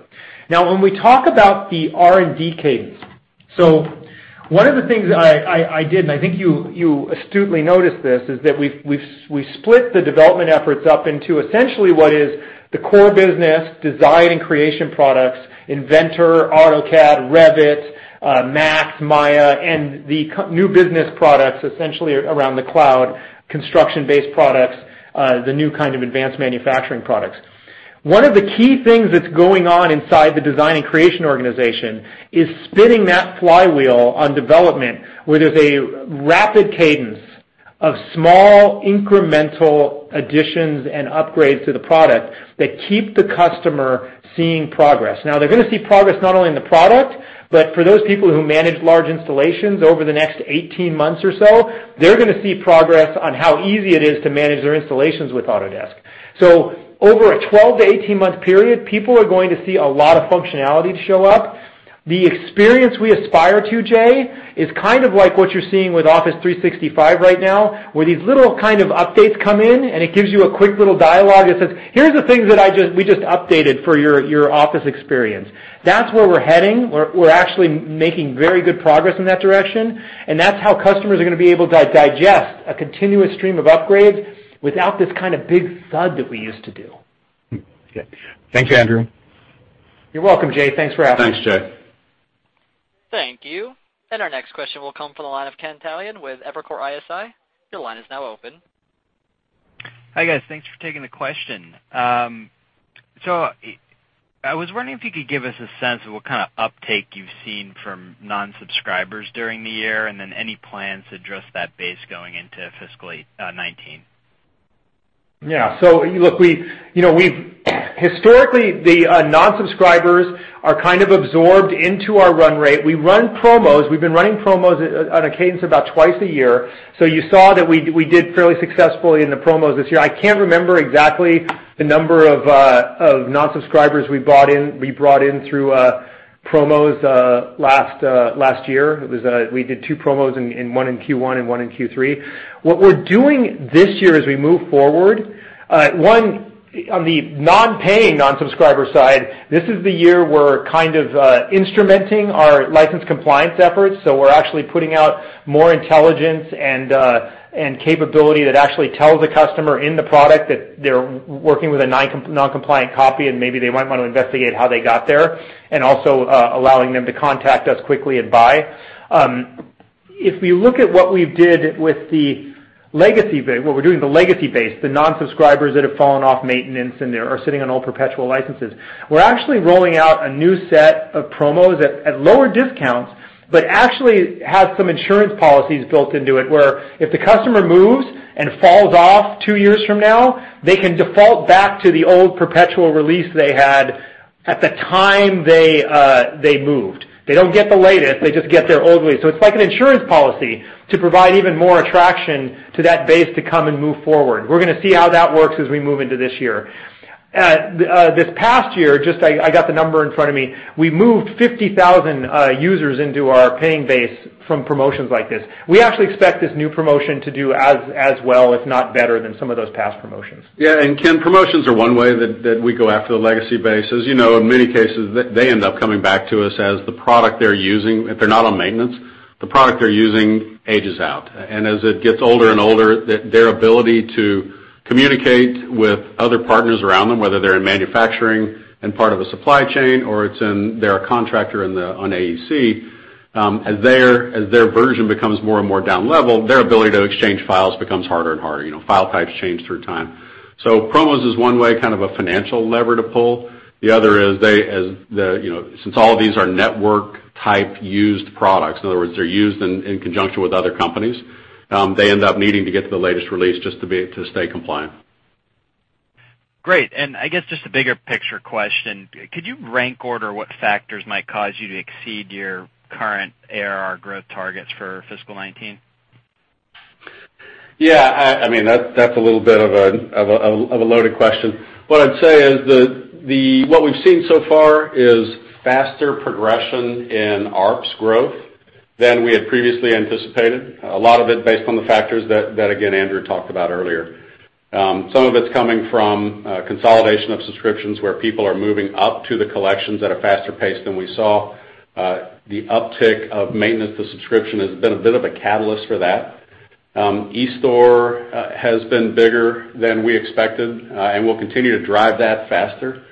When we talk about the R&D cadence. One of the things I did, and I think you astutely noticed this, is that we've split the development efforts up into essentially what is the core business design and creation products, Inventor, AutoCAD, Revit, 3ds Max, Maya, and the new business products, essentially around the cloud, construction-based products, the new kind of advanced manufacturing products. One of the key things that's going on inside the design and creation organization is spinning that flywheel on development, where there's a rapid cadence of small incremental additions and upgrades to the product that keep the customer seeing progress. They're going to see progress not only in the product, but for those people who manage large installations over the next 18 months or so, they're going to see progress on how easy it is to manage their installations with Autodesk. Over a 12 to 18-month period, people are going to see a lot of functionality show up. The experience we aspire to, Jay, is kind of like what you're seeing with Office 365 right now, where these little kind of updates come in, it gives you a quick little dialogue that says, "Here are the things that we just updated for your Office experience." That's where we're heading. We're actually making very good progress in that direction, that's how customers are going to be able to digest a continuous stream of upgrades without this kind of big thud that we used to do. Okay. Thanks, Andrew. You're welcome, Jay. Thanks for asking. Thanks, Jay. Thank you. Our next question will come from the line of Ken Talanian with Evercore ISI. Your line is now open. Hi, guys. Thanks for taking the question. I was wondering if you could give us a sense of what kind of uptake you've seen from non-subscribers during the year, and then any plans to address that base going into fiscal 2019. Yeah. Look, historically, the non-subscribers are kind of absorbed into our run rate. We run promos. We've been running promos on a cadence about twice a year. You saw that we did fairly successfully in the promos this year. I can't remember exactly the number of non-subscribers we brought in through promos last year. We did two promos, one in Q1 and one in Q3. What we're doing this year as we move forward, one, on the non-paying non-subscriber side, this is the year we're kind of instrumenting our license compliance efforts. We're actually putting out more intelligence and capability that actually tells the customer in the product that they're working with a non-compliant copy, and maybe they might want to investigate how they got there, and also allowing them to contact us quickly and buy. If we look at what we're doing with the legacy base, the non-subscribers that have fallen off maintenance and are sitting on old perpetual licenses. We're actually rolling out a new set of promos at lower discounts, but actually have some insurance policies built into it, where if the customer moves and falls off two years from now, they can default back to the old perpetual release they had at the time they moved. They don't get the latest, they just get their old release. It's like an insurance policy to provide even more attraction to that base to come and move forward. We're going to see how that works as we move into this year. This past year, I got the number in front of me, we moved 50,000 users into our paying base from promotions like this. We actually expect this new promotion to do as well, if not better, than some of those past promotions. Yeah. Ken, promotions are one way that we go after the legacy base. As you know, in many cases, they end up coming back to us as the product they're using, if they're not on maintenance, the product they're using ages out. As it gets older and older, their ability to communicate with other partners around them, whether they're in manufacturing and part of a supply chain, or they're a contractor on AEC, as their version becomes more and more down-level, their ability to exchange files becomes harder and harder. File types change through time. Promos is one way, kind of a financial lever to pull. The other is, since all of these are network-type used products, in other words, they're used in conjunction with other companies, they end up needing to get to the latest release just to stay compliant. Great. I guess, just a bigger picture question, could you rank order what factors might cause you to exceed your current ARR growth targets for fiscal 2019? Yeah. That's a little bit of a loaded question. What I'd say is, what we've seen so far is faster progression in ARPS growth than we had previously anticipated, a lot of it based on the factors that, again, Andrew talked about earlier. Some of it's coming from consolidation of subscriptions, where people are moving up to the collections at a faster pace than we saw. The uptick of maintenance to subscription has been a bit of a catalyst for that. eStore has been bigger than we expected, and we'll continue to drive that faster.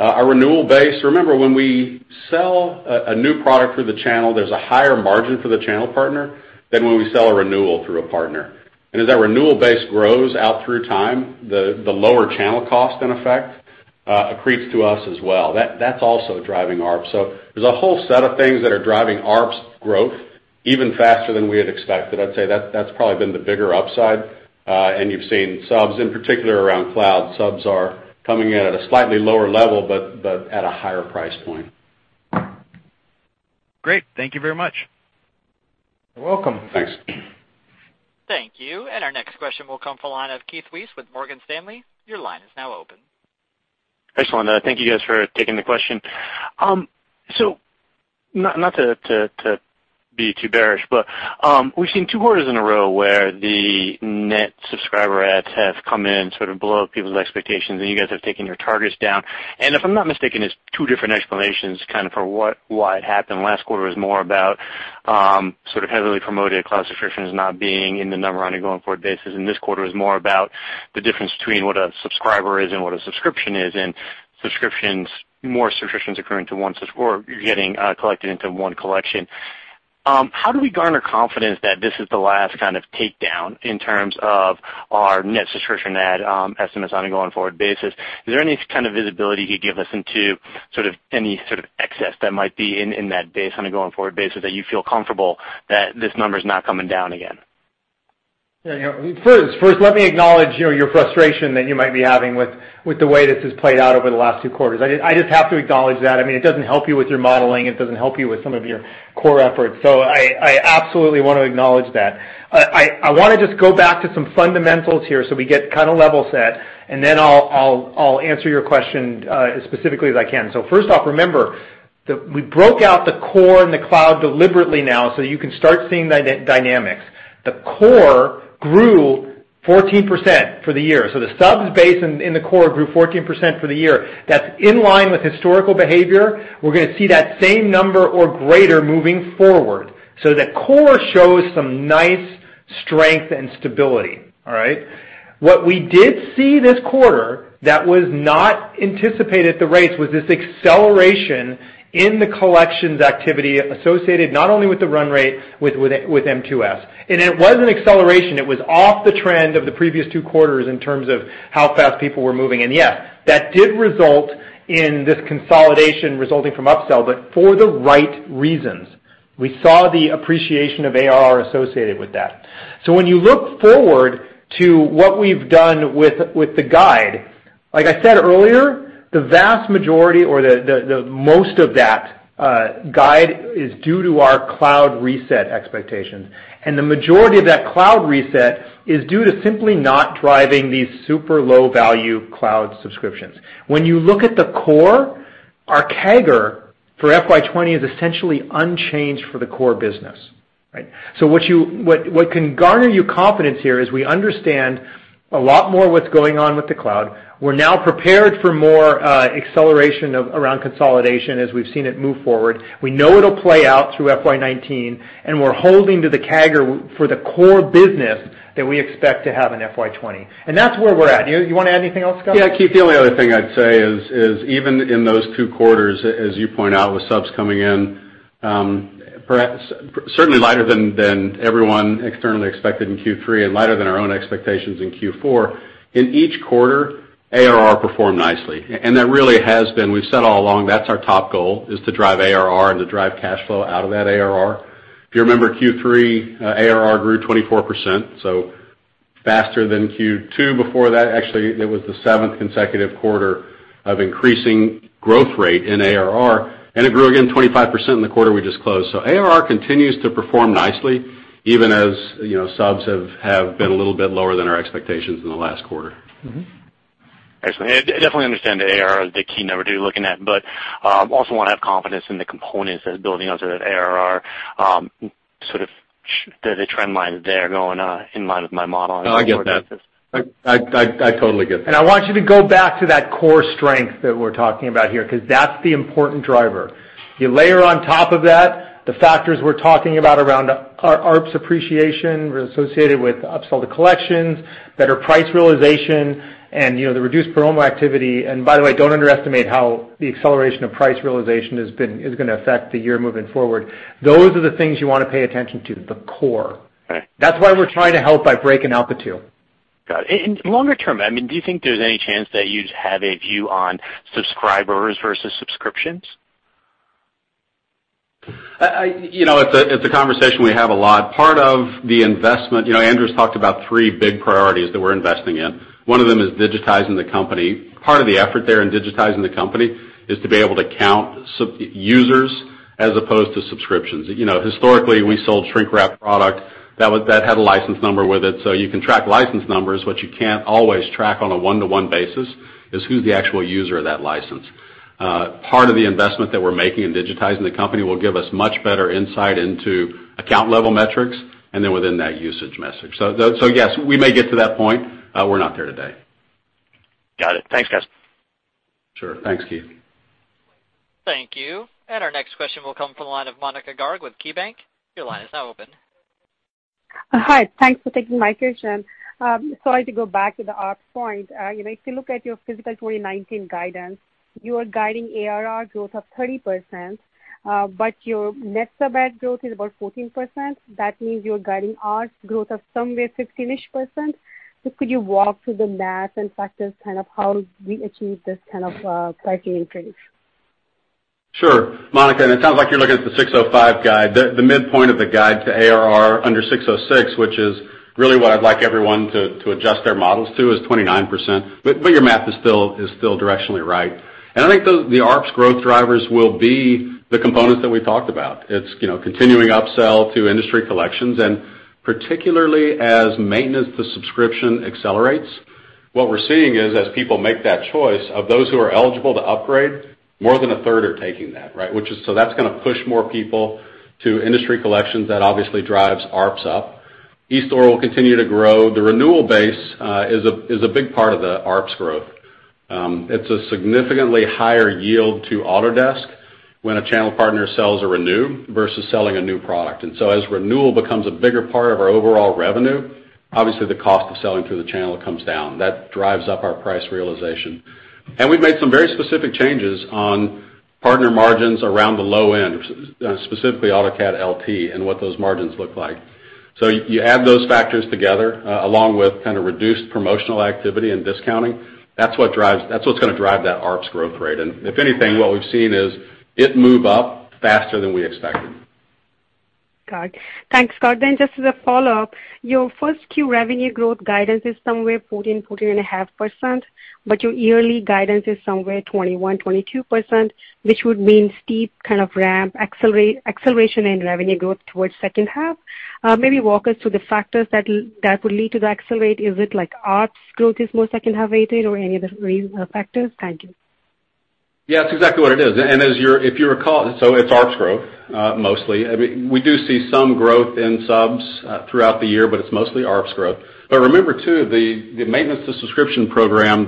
Our renewal base, remember, when we sell a new product through the channel, there's a higher margin for the channel partner than when we sell a renewal through a partner. As that renewal base grows out through time, the lower channel cost, in effect, accretes to us as well. That's also driving ARPS. There's a whole set of things that are driving ARPS growth even faster than we had expected. I'd say that's probably been the bigger upside. You've seen subs, in particular, around cloud. Subs are coming in at a slightly lower level, but at a higher price point. Great. Thank you very much. You're welcome. Thanks. Thank you. Our next question will come from the line of Keith Weiss with Morgan Stanley. Your line is now open. Thanks a lot. Thank you guys for taking the question. Not to be too bearish, but we've seen two quarters in a row where the net subscriber adds have come in sort of below people's expectations, and you guys have taken your targets down. If I'm not mistaken, it's two different explanations for why it happened. Last quarter was more about heavily promoted cloud subscriptions not being in the number on a going-forward basis, and this quarter is more about the difference between what a subscriber is and what a subscription is, and more subscriptions occurring into one sub, or getting collected into one collection. How do we garner confidence that this is the last kind of takedown in terms of our net subscription add estimates on a going-forward basis? Is there any kind of visibility you could give us into any sort of excess that might be in that base on a going-forward basis, that you feel comfortable that this number's not coming down again? Yeah. First, let me acknowledge your frustration that you might be having with the way this has played out over the last two quarters. I just have to acknowledge that. It doesn't help you with your modeling, it doesn't help you with some of your core efforts. I absolutely want to acknowledge that. I want to just go back to some fundamentals here so we get kind of level set, and then I'll answer your question as specifically as I can. First off, remember, we broke out the core and the cloud deliberately now, so you can start seeing dynamics. The core grew 14% for the year. The subs base in the core grew 14% for the year. That's in line with historical behavior. We're going to see that same number or greater moving forward. The core shows some nice strength and stability. All right? What we did see this quarter that was not anticipated at the rates, was this acceleration in the collections activity associated not only with the run rate with M2S. It was an acceleration. It was off the trend of the previous two quarters in terms of how fast people were moving, and yes, that did result in this consolidation resulting from upsell, but for the right reasons. We saw the appreciation of ARR associated with that. When you look forward to what we've done with the guide, like I said earlier, the vast majority or the most of that guide is due to our cloud reset expectations. The majority of that cloud reset is due to simply not driving these super low-value cloud subscriptions. When you look at the core, our CAGR for FY 2020 is essentially unchanged for the core business. Right? What can garner you confidence here is we understand a lot more what's going on with the cloud. We're now prepared for more acceleration around consolidation as we've seen it move forward. We know it'll play out through FY 2019, and we're holding to the CAGR for the core business that we expect to have in FY 2020. That's where we're at. You want to add anything else, Scott? Yeah, Keith, the only other thing I'd say is, even in those two quarters, as you point out, with subs coming in, certainly lighter than everyone externally expected in Q3, and lighter than our own expectations in Q4. In each quarter, ARR performed nicely, and that really has been, we've said all along, that's our top goal is to drive ARR and to drive cash flow out of that ARR. If you remember Q3, ARR grew 24%, faster than Q2 before that. Actually, it was the seventh consecutive quarter of increasing growth rate in ARR, and it grew again 25% in the quarter we just closed. ARR continues to perform nicely, even as subs have been a little bit lower than our expectations in the last quarter. Excellent. I definitely understand the ARR is the key number to be looking at, also want to have confidence in the components that are building onto that ARR, the trend lines there going in line with my model. I get that. I totally get that. I want you to go back to that core strength that we're talking about here, because that's the important driver. You layer on top of that the factors we're talking about around our ARPS appreciation associated with upsell to collections, better price realization, and the reduced promo activity. By the way, don't underestimate how the acceleration of price realization is going to affect the year moving forward. Those are the things you want to pay attention to, the core. Right. That's why we're trying to help by breaking out the two. Got it. Longer term, do you think there's any chance that you'd have a view on subscribers versus subscriptions? It's a conversation we have a lot. Part of the investment, Andrew's talked about three big priorities that we're investing in. One of them is digitizing the company. Part of the effort there in digitizing the company is to be able to count users as opposed to subscriptions. Historically, we sold shrink wrap product that had a license number with it. You can track license numbers, what you can't always track on a one-to-one basis is who's the actual user of that license. Part of the investment that we're making in digitizing the company will give us much better insight into account-level metrics, and then within that, usage metrics. Yes, we may get to that point. We're not there today. Got it. Thanks, guys. Sure. Thanks, Keith. Thank you. Our next question will come from the line of Monika Garg with KeyBanc. Your line is now open. Hi. Thanks for taking my question. Sorry to go back to the ARPS point. If you look at your fiscal 2019 guidance, you are guiding ARR growth of 30%, but your net sub add growth is about 14%. That means you're guiding ARPS growth of somewhere 15-ish%. Could you walk through the math and factors, how we achieve this kind of increase? Sure. Monika, it sounds like you're looking at the 605 guide. The midpoint of the guide to ARR under 606, which is really what I'd like everyone to adjust their models to, is 29%. Your math is still directionally right. I think the ARPS growth drivers will be the components that we talked about. It's continuing upsell to industry collections, particularly as maintenance to subscription accelerates, what we're seeing is as people make that choice, of those who are eligible to upgrade, more than a third are taking that. That's going to push more people to industry collections. That obviously drives ARPS up. eStore will continue to grow. The renewal base is a big part of the ARPS growth. It's a significantly higher yield to Autodesk when a channel partner sells a renew versus selling a new product. As renewal becomes a bigger part of our overall revenue, obviously the cost of selling through the channel comes down. That drives up our price realization. We've made some very specific changes on partner margins around the low end, specifically AutoCAD LT and what those margins look like. You add those factors together, along with reduced promotional activity and discounting, that's what's going to drive that ARPS growth rate. If anything, what we've seen is it move up faster than we expected. Got it. Thanks, Scott. Just as a follow-up, your first Q revenue growth guidance is somewhere 14%-14.5%, but your yearly guidance is somewhere 21%-22%, which would mean steep ramp acceleration and revenue growth towards second half. Maybe walk us through the factors that would lead to the accelerate. Is it like ARPS growth is more second half weighted or any other factors? Thank you. Yeah, that's exactly what it is. If you recall, so it's ARPS growth, mostly. We do see some growth in subs throughout the year, but it's mostly ARPS growth. Remember, too, the maintenance to subscription program,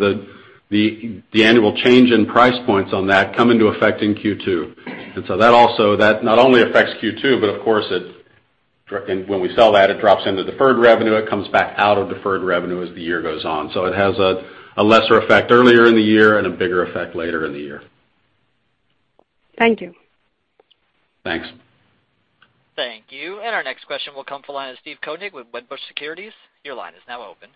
the annual change in price points on that come into effect in Q2. That not only affects Q2, but of course, when we sell that, it drops into deferred revenue. It comes back out of deferred revenue as the year goes on. It has a lesser effect earlier in the year and a bigger effect later in the year. Thank you. Thanks. Thank you. Our next question will come from the line of Steve Koenig with Wedbush Securities. Your line is now open.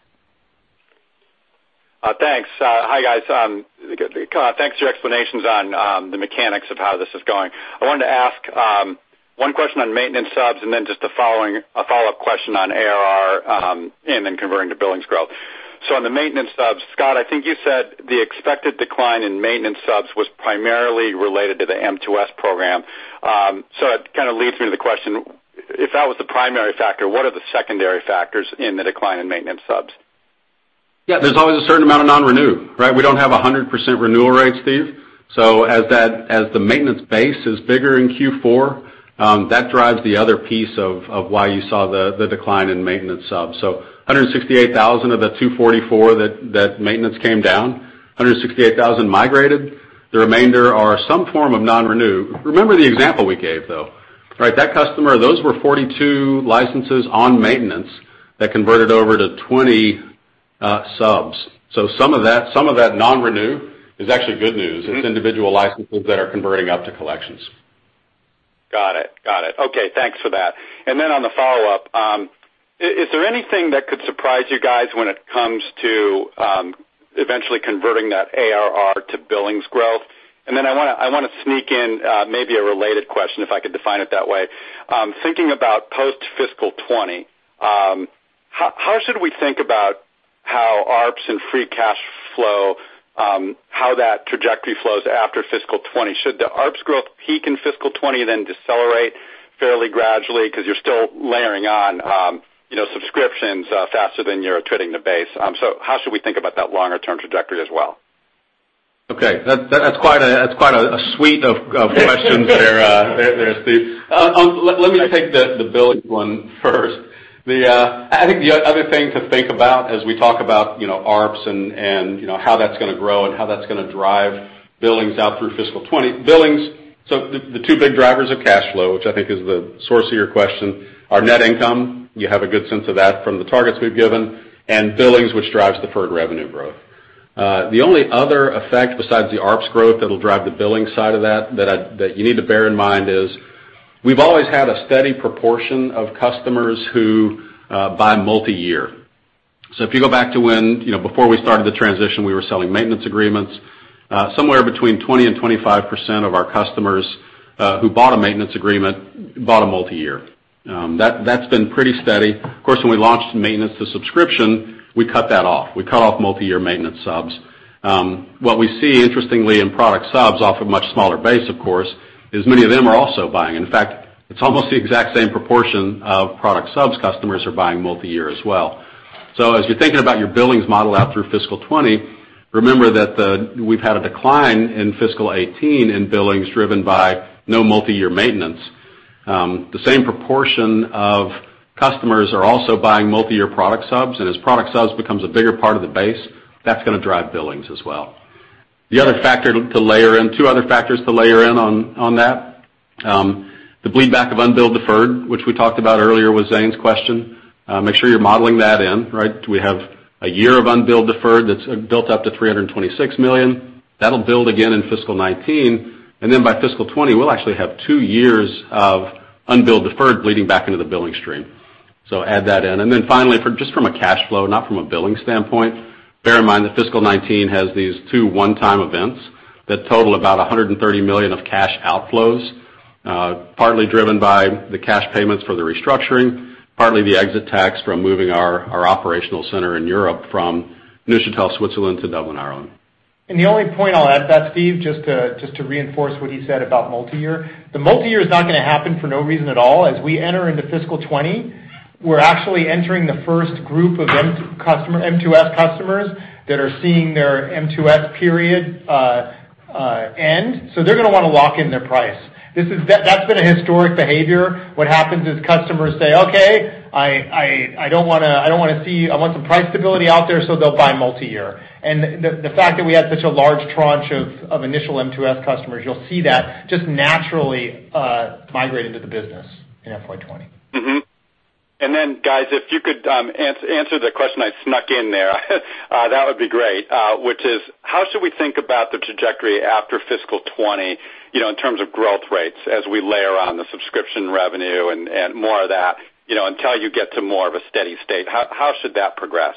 Thanks. Hi, guys. Thanks for your explanations on the mechanics of how this is going. I wanted to ask one question on maintenance subs, then just a follow-up question on ARR, then converting to billings growth. On the maintenance subs, Scott, I think you said the expected decline in maintenance subs was primarily related to the M2S program. That leads me to the question, if that was the primary factor, what are the secondary factors in the decline in maintenance subs? Yeah, there's always a certain amount of non-renew, right? We don't have 100% renewal rates, Steve. As the maintenance base is bigger in Q4, that drives the other piece of why you saw the decline in maintenance subs. 168,000 of the 244 that maintenance came down, 168,000 migrated. The remainder are some form of non-renew. Remember the example we gave, though. That customer, those were 42 licenses on maintenance that converted over to 20 subs. Some of that non-renew is actually good news. It's individual licenses that are converting up to collections. Got it. Okay, thanks for that. On the follow-up, is there anything that could surprise you guys when it comes to eventually converting that ARR to billings growth? I want to sneak in maybe a related question, if I could define it that way. Thinking about post-fiscal 2020, how should we think about how ARPS and free cash flow, how that trajectory flows after fiscal 2020? Should the ARPS growth peak in fiscal 2020, then decelerate fairly gradually because you're still layering on subscriptions faster than you're attriting the base? How should we think about that longer-term trajectory as well? Okay. That's quite a suite of questions there, Steve. Let me take the billings one first. I think the other thing to think about as we talk about ARPS, and how that's going to grow, and how that's going to drive billings out through fiscal 2020. Billings, the 2 big drivers of cash flow, which I think is the source of your question, are net income, you have a good sense of that from the targets we've given, and billings, which drives deferred revenue growth. The only other effect besides the ARPS growth that will drive the billing side of that you need to bear in mind is we've always had a steady proportion of customers who buy multi-year. If you go back to when, before we started the transition, we were selling maintenance agreements. Somewhere between 20%-25% of our customers who bought a maintenance agreement bought a multi-year. That's been pretty steady. Of course, when we launched maintenance to subscription, we cut that off. We cut off multi-year maintenance subs. What we see, interestingly, in product subs, off a much smaller base, of course, is many of them are also buying. In fact, it's almost the exact same proportion of product subs customers are buying multi-year as well. As you're thinking about your billings model out through fiscal 2020, remember that we've had a decline in fiscal 2018 in billings driven by no multi-year maintenance. The same proportion of customers are also buying multi-year product subs, and as product subs becomes a bigger part of the base, that's going to drive billings as well. The other factor to layer in, 2 other factors to layer in on that, the bleed back of unbilled deferred, which we talked about earlier with Zane's question. Make sure you're modeling that in. We have a year of unbilled deferred that's built up to $326 million. That will build again in fiscal 2019, and then by fiscal 2020, we'll actually have 2 years of unbilled deferred bleeding back into the billing stream. Add that in. Finally, just from a cash flow, not from a billing standpoint, bear in mind that fiscal 2019 has these 2 one-time events that total about $130 million of cash outflows, partly driven by the cash payments for the restructuring, partly the exit tax from moving our operational center in Europe from Neuchâtel, Switzerland to Dublin, Ireland. The only point I'll add to that, Steve, just to reinforce what he said about multi-year. The multi-year is not going to happen for no reason at all. As we enter into fiscal 2020, we're actually entering the first group of M2S customers that are seeing their M2S period end. They're going to want to lock in their price. That's been a historic behavior. What happens is customers say, "Okay, I want some price stability out there," so they'll buy multi-year. The fact that we had such a large tranche of initial M2S customers, you'll see that just naturally migrate into the business in FY 2020. guys, if you could answer the question I snuck in there, that would be great, which is, how should we think about the trajectory after fiscal 2020 in terms of growth rates as we layer on the subscription revenue and more of that, until you get to more of a steady state? How should that progress?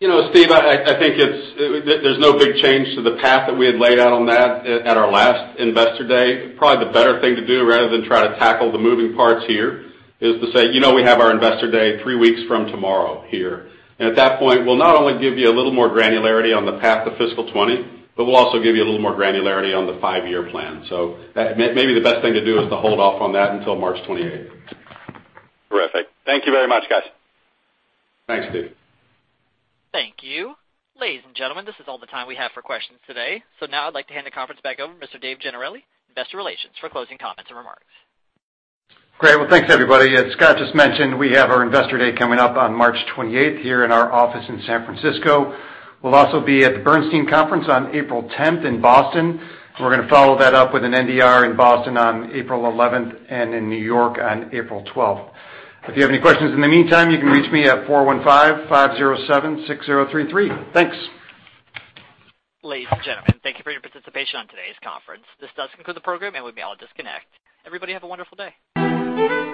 Steve, I think there's no big change to the path that we had laid out on that at our last investor day. Probably the better thing to do, rather than try to tackle the moving parts here, is to say, we have our investor day three weeks from tomorrow here. At that point, we'll not only give you a little more granularity on the path to fiscal 2020, but we'll also give you a little more granularity on the five-year plan. Maybe the best thing to do is to hold off on that until March 28th. Terrific. Thank you very much, guys. Thanks, Steve. Thank you. Ladies and gentlemen, this is all the time we have for questions today. Now I'd like to hand the conference back over to Mr. Dave Gennarelli, investor relations, for closing comments and remarks. Great. Well, thanks everybody. As Scott just mentioned, we have our investor day coming up on March 28th here in our office in San Francisco. We'll also be at the Bernstein Conference on April 10th in Boston. We're going to follow that up with an NDR in Boston on April 11th and in New York on April 12th. If you have any questions in the meantime, you can reach me at 415-507-6033. Thanks. Ladies and gentlemen, thank you for your participation on today's conference. This does conclude the program, and we may all disconnect. Everybody have a wonderful day.